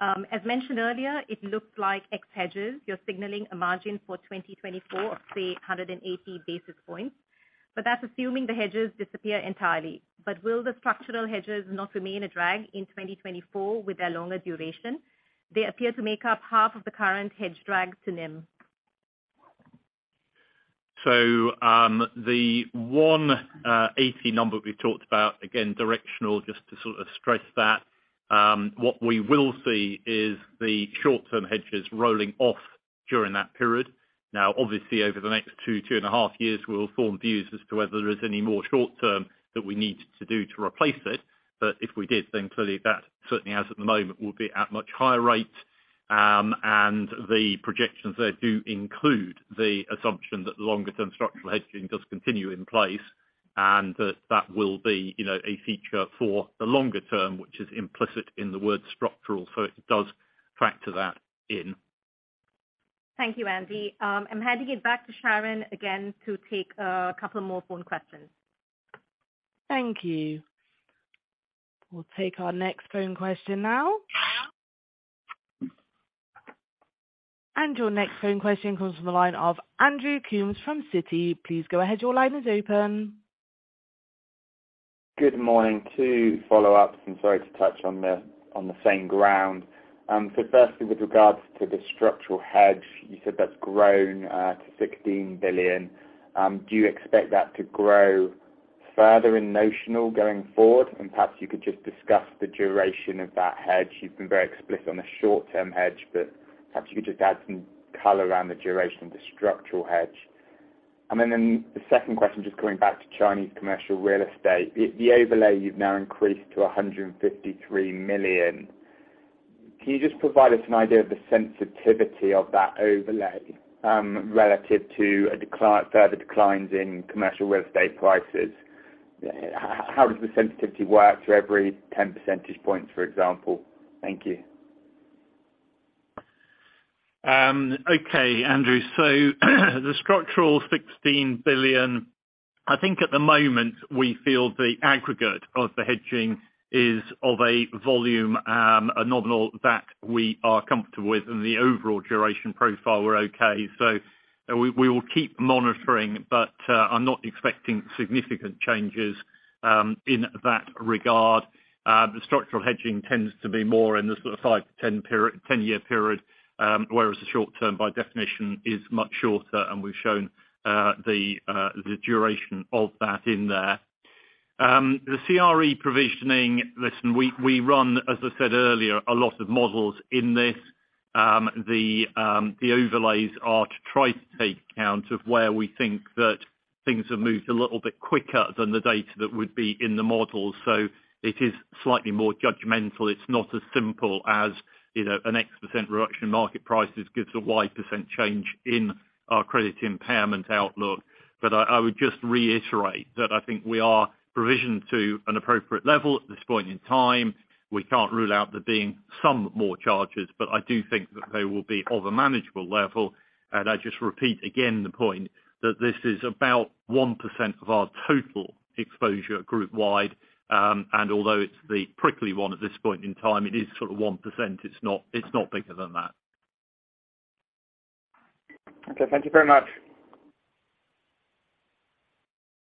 As mentioned earlier, it looks like ex hedges, you're signaling a margin for 2024 of say 180 basis points. That's assuming the hedges disappear entirely. Will the structural hedges not remain a drag in 2024 with their longer duration? They appear to make up half of the current hedge drag to NIM. The 180 number we've talked about, again, directional just to sort of stress that. What we will see is the short-term hedges rolling off during that period. Now obviously over the next two and a half years, we'll form views as to whether there is any more short term that we need to do to replace it. But if we did, then clearly that certainly as at the moment will be at much higher rates. The projections there do include the assumption that the longer term structural hedging does continue in place. That will be, you know, a feature for the longer term, which is implicit in the word structural. It does factor that in. Thank you, Andy. I'm handing it back to Sharon again to take a couple more phone questions. Thank you. We'll take our next phone question now. Your next phone question comes from the line of Andrew Coombs from Citi. Please go ahead. Your line is open. Good morning. Two follow-ups, and sorry to touch on the same ground. So firstly, with regards to the structural hedge, you said that's grown to $16 billion. Do you expect that to grow further in notional going forward? And perhaps you could just discuss the duration of that hedge. You've been very explicit on the short-term hedge, but perhaps you could just add some color around the duration of the structural hedge. Then the second question, just coming back to Chinese commercial real estate. The overlay you've now increased to $153 million. Can you just provide us an idea of the sensitivity of that overlay relative to further declines in commercial real estate prices? How does the sensitivity work for every 10 percentage points, for example? Thank you. Okay, Andrew. The structural $16 billion, I think at the moment we feel the aggregate of the hedging is of a volume, a nominal that we are comfortable with. And the overall duration profile, we're okay. We will keep monitoring, but I'm not expecting significant changes in that regard. The structural hedging tends to be more in the sort of 5-10-year period, whereas the short-term by definition is much shorter, and we've shown the duration of that in there. The CRE provisioning, listen, we run, as I said earlier, a lot of models in this. The overlays are to try to take account of where we think that things have moved a little bit quicker than the data that would be in the models. It is slightly more judgmental. It's not as simple as, you know, an X% reduction in market prices gives a Y% change in our credit impairment outlook. I would just reiterate that I think we are provisioned to an appropriate level at this point in time. We can't rule out there being some more charges, but I do think that they will be of a manageable level. I just repeat again the point that this is about 1% of our total exposure group wide. Although it's the prickly one at this point in time, it is sort of 1%. It's not bigger than that. Okay. Thank you very much.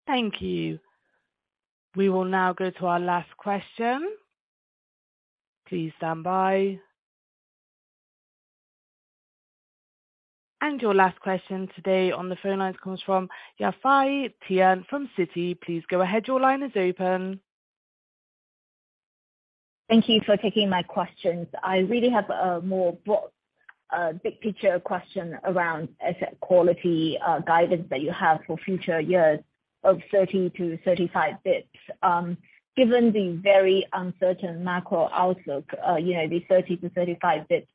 Thank you. We will now go to our last question. Please stand by. Your last question today on the phone lines comes from Yafei Tian from Citi. Please go ahead. Your line is open. Thank you for taking my questions. I really have a more a big picture question around asset quality, guidance that you have for future years of 30-35 basis points. Given the very uncertain macro outlook, you know, the 30-35 basis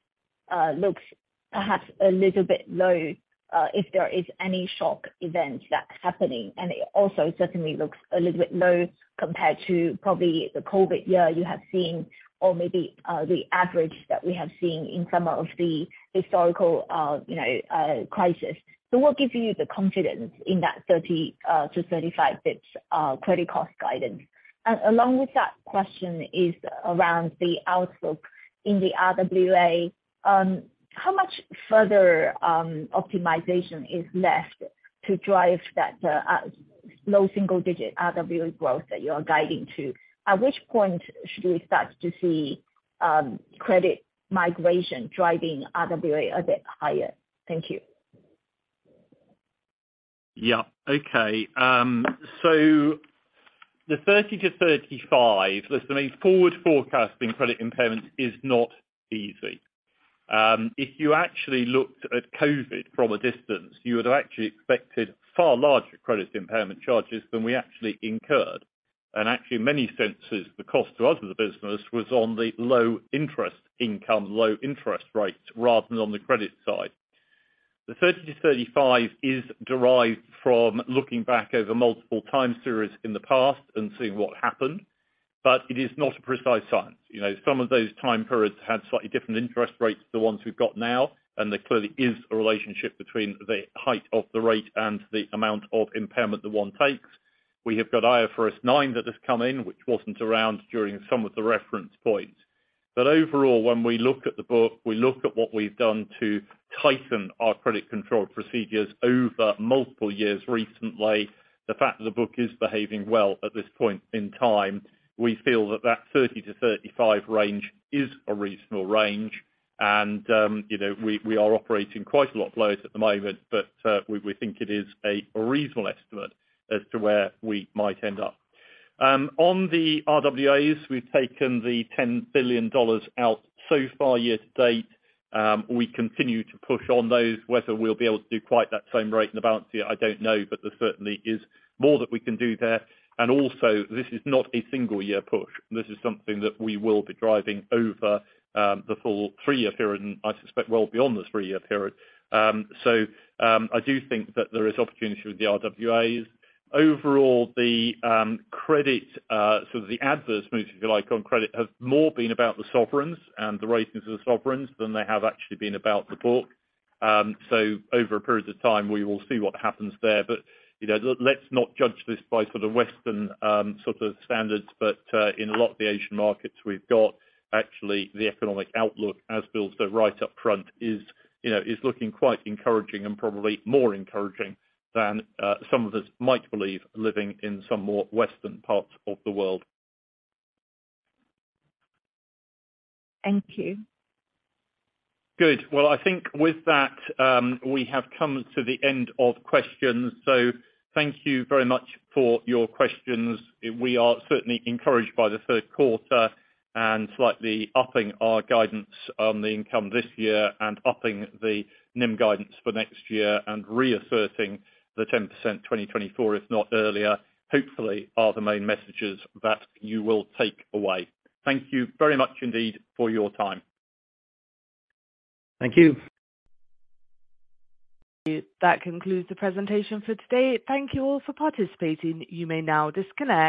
points looks perhaps a little bit low, if there is any shock event that's happening. It also certainly looks a little bit low compared to probably the COVID year you have seen or maybe the average that we have seen in some of the historical you know crisis. What gives you the confidence in that 30-35 basis points credit cost guidance? Along with that question is around the outlook in the RWA. How much further optimization is left to drive that low single-digit RWA growth that you are guiding to? At which point should we start to see credit migration driving RWA a bit higher? Thank you. Yeah. Okay. So the 30-35, listen, I mean, forward forecasting credit impairment is not easy. If you actually looked at COVID from a distance, you would have actually expected far larger credit impairment charges than we actually incurred. Actually, in many senses, the cost to us as a business was on the low interest income, low interest rates rather than on the credit side. The 30-35 is derived from looking back over multiple time series in the past and seeing what happened, but it is not a precise science. You know, some of those time periods had slightly different interest rates to the ones we've got now, and there clearly is a relationship between the height of the rate and the amount of impairment that one takes. We have got IFRS 9 that has come in, which wasn't around during some of the reference points. Overall, when we look at the book, we look at what we've done to tighten our credit control procedures over multiple years recently. The fact that the book is behaving well at this point in time, we feel that the 30-35 range is a reasonable range. You know, we are operating quite a lot lower at the moment, but we think it is a reasonable estimate as to where we might end up. On the RWAs, we've taken the $10 billion out so far year to date. We continue to push on those. Whether we'll be able to do quite that same rate in the balance of the year, I don't know, but there certainly is more that we can do there. Also, this is not a single year push. This is something that we will be driving over, the full three-year period, and I suspect well beyond the three-year period. I do think that there is opportunity with the RWAs. Overall, the credit sort of the adverse moves, if you like, on credit, have more been about the sovereigns and the ratings of the sovereigns than they have actually been about the book. Over a period of time we will see what happens there. You know, let's not judge this by sort of Western sort of standards. In a lot of the Asian markets we've got, actually the economic outlook as Bill said right up front is, you know, is looking quite encouraging and probably more encouraging than some of us might believe living in some more Western parts of the world. Thank you. Good. Well, I think with that, we have come to the end of questions. Thank you very much for your questions. We are certainly encouraged by the third quarter and slightly upping our guidance on the income this year and upping the NIM guidance for next year and reasserting the 10% 2024, if not earlier, hopefully are the main messages that you will take away. Thank you very much indeed for your time. Thank you. That concludes the presentation for today. Thank you all for participating. You may now disconnect.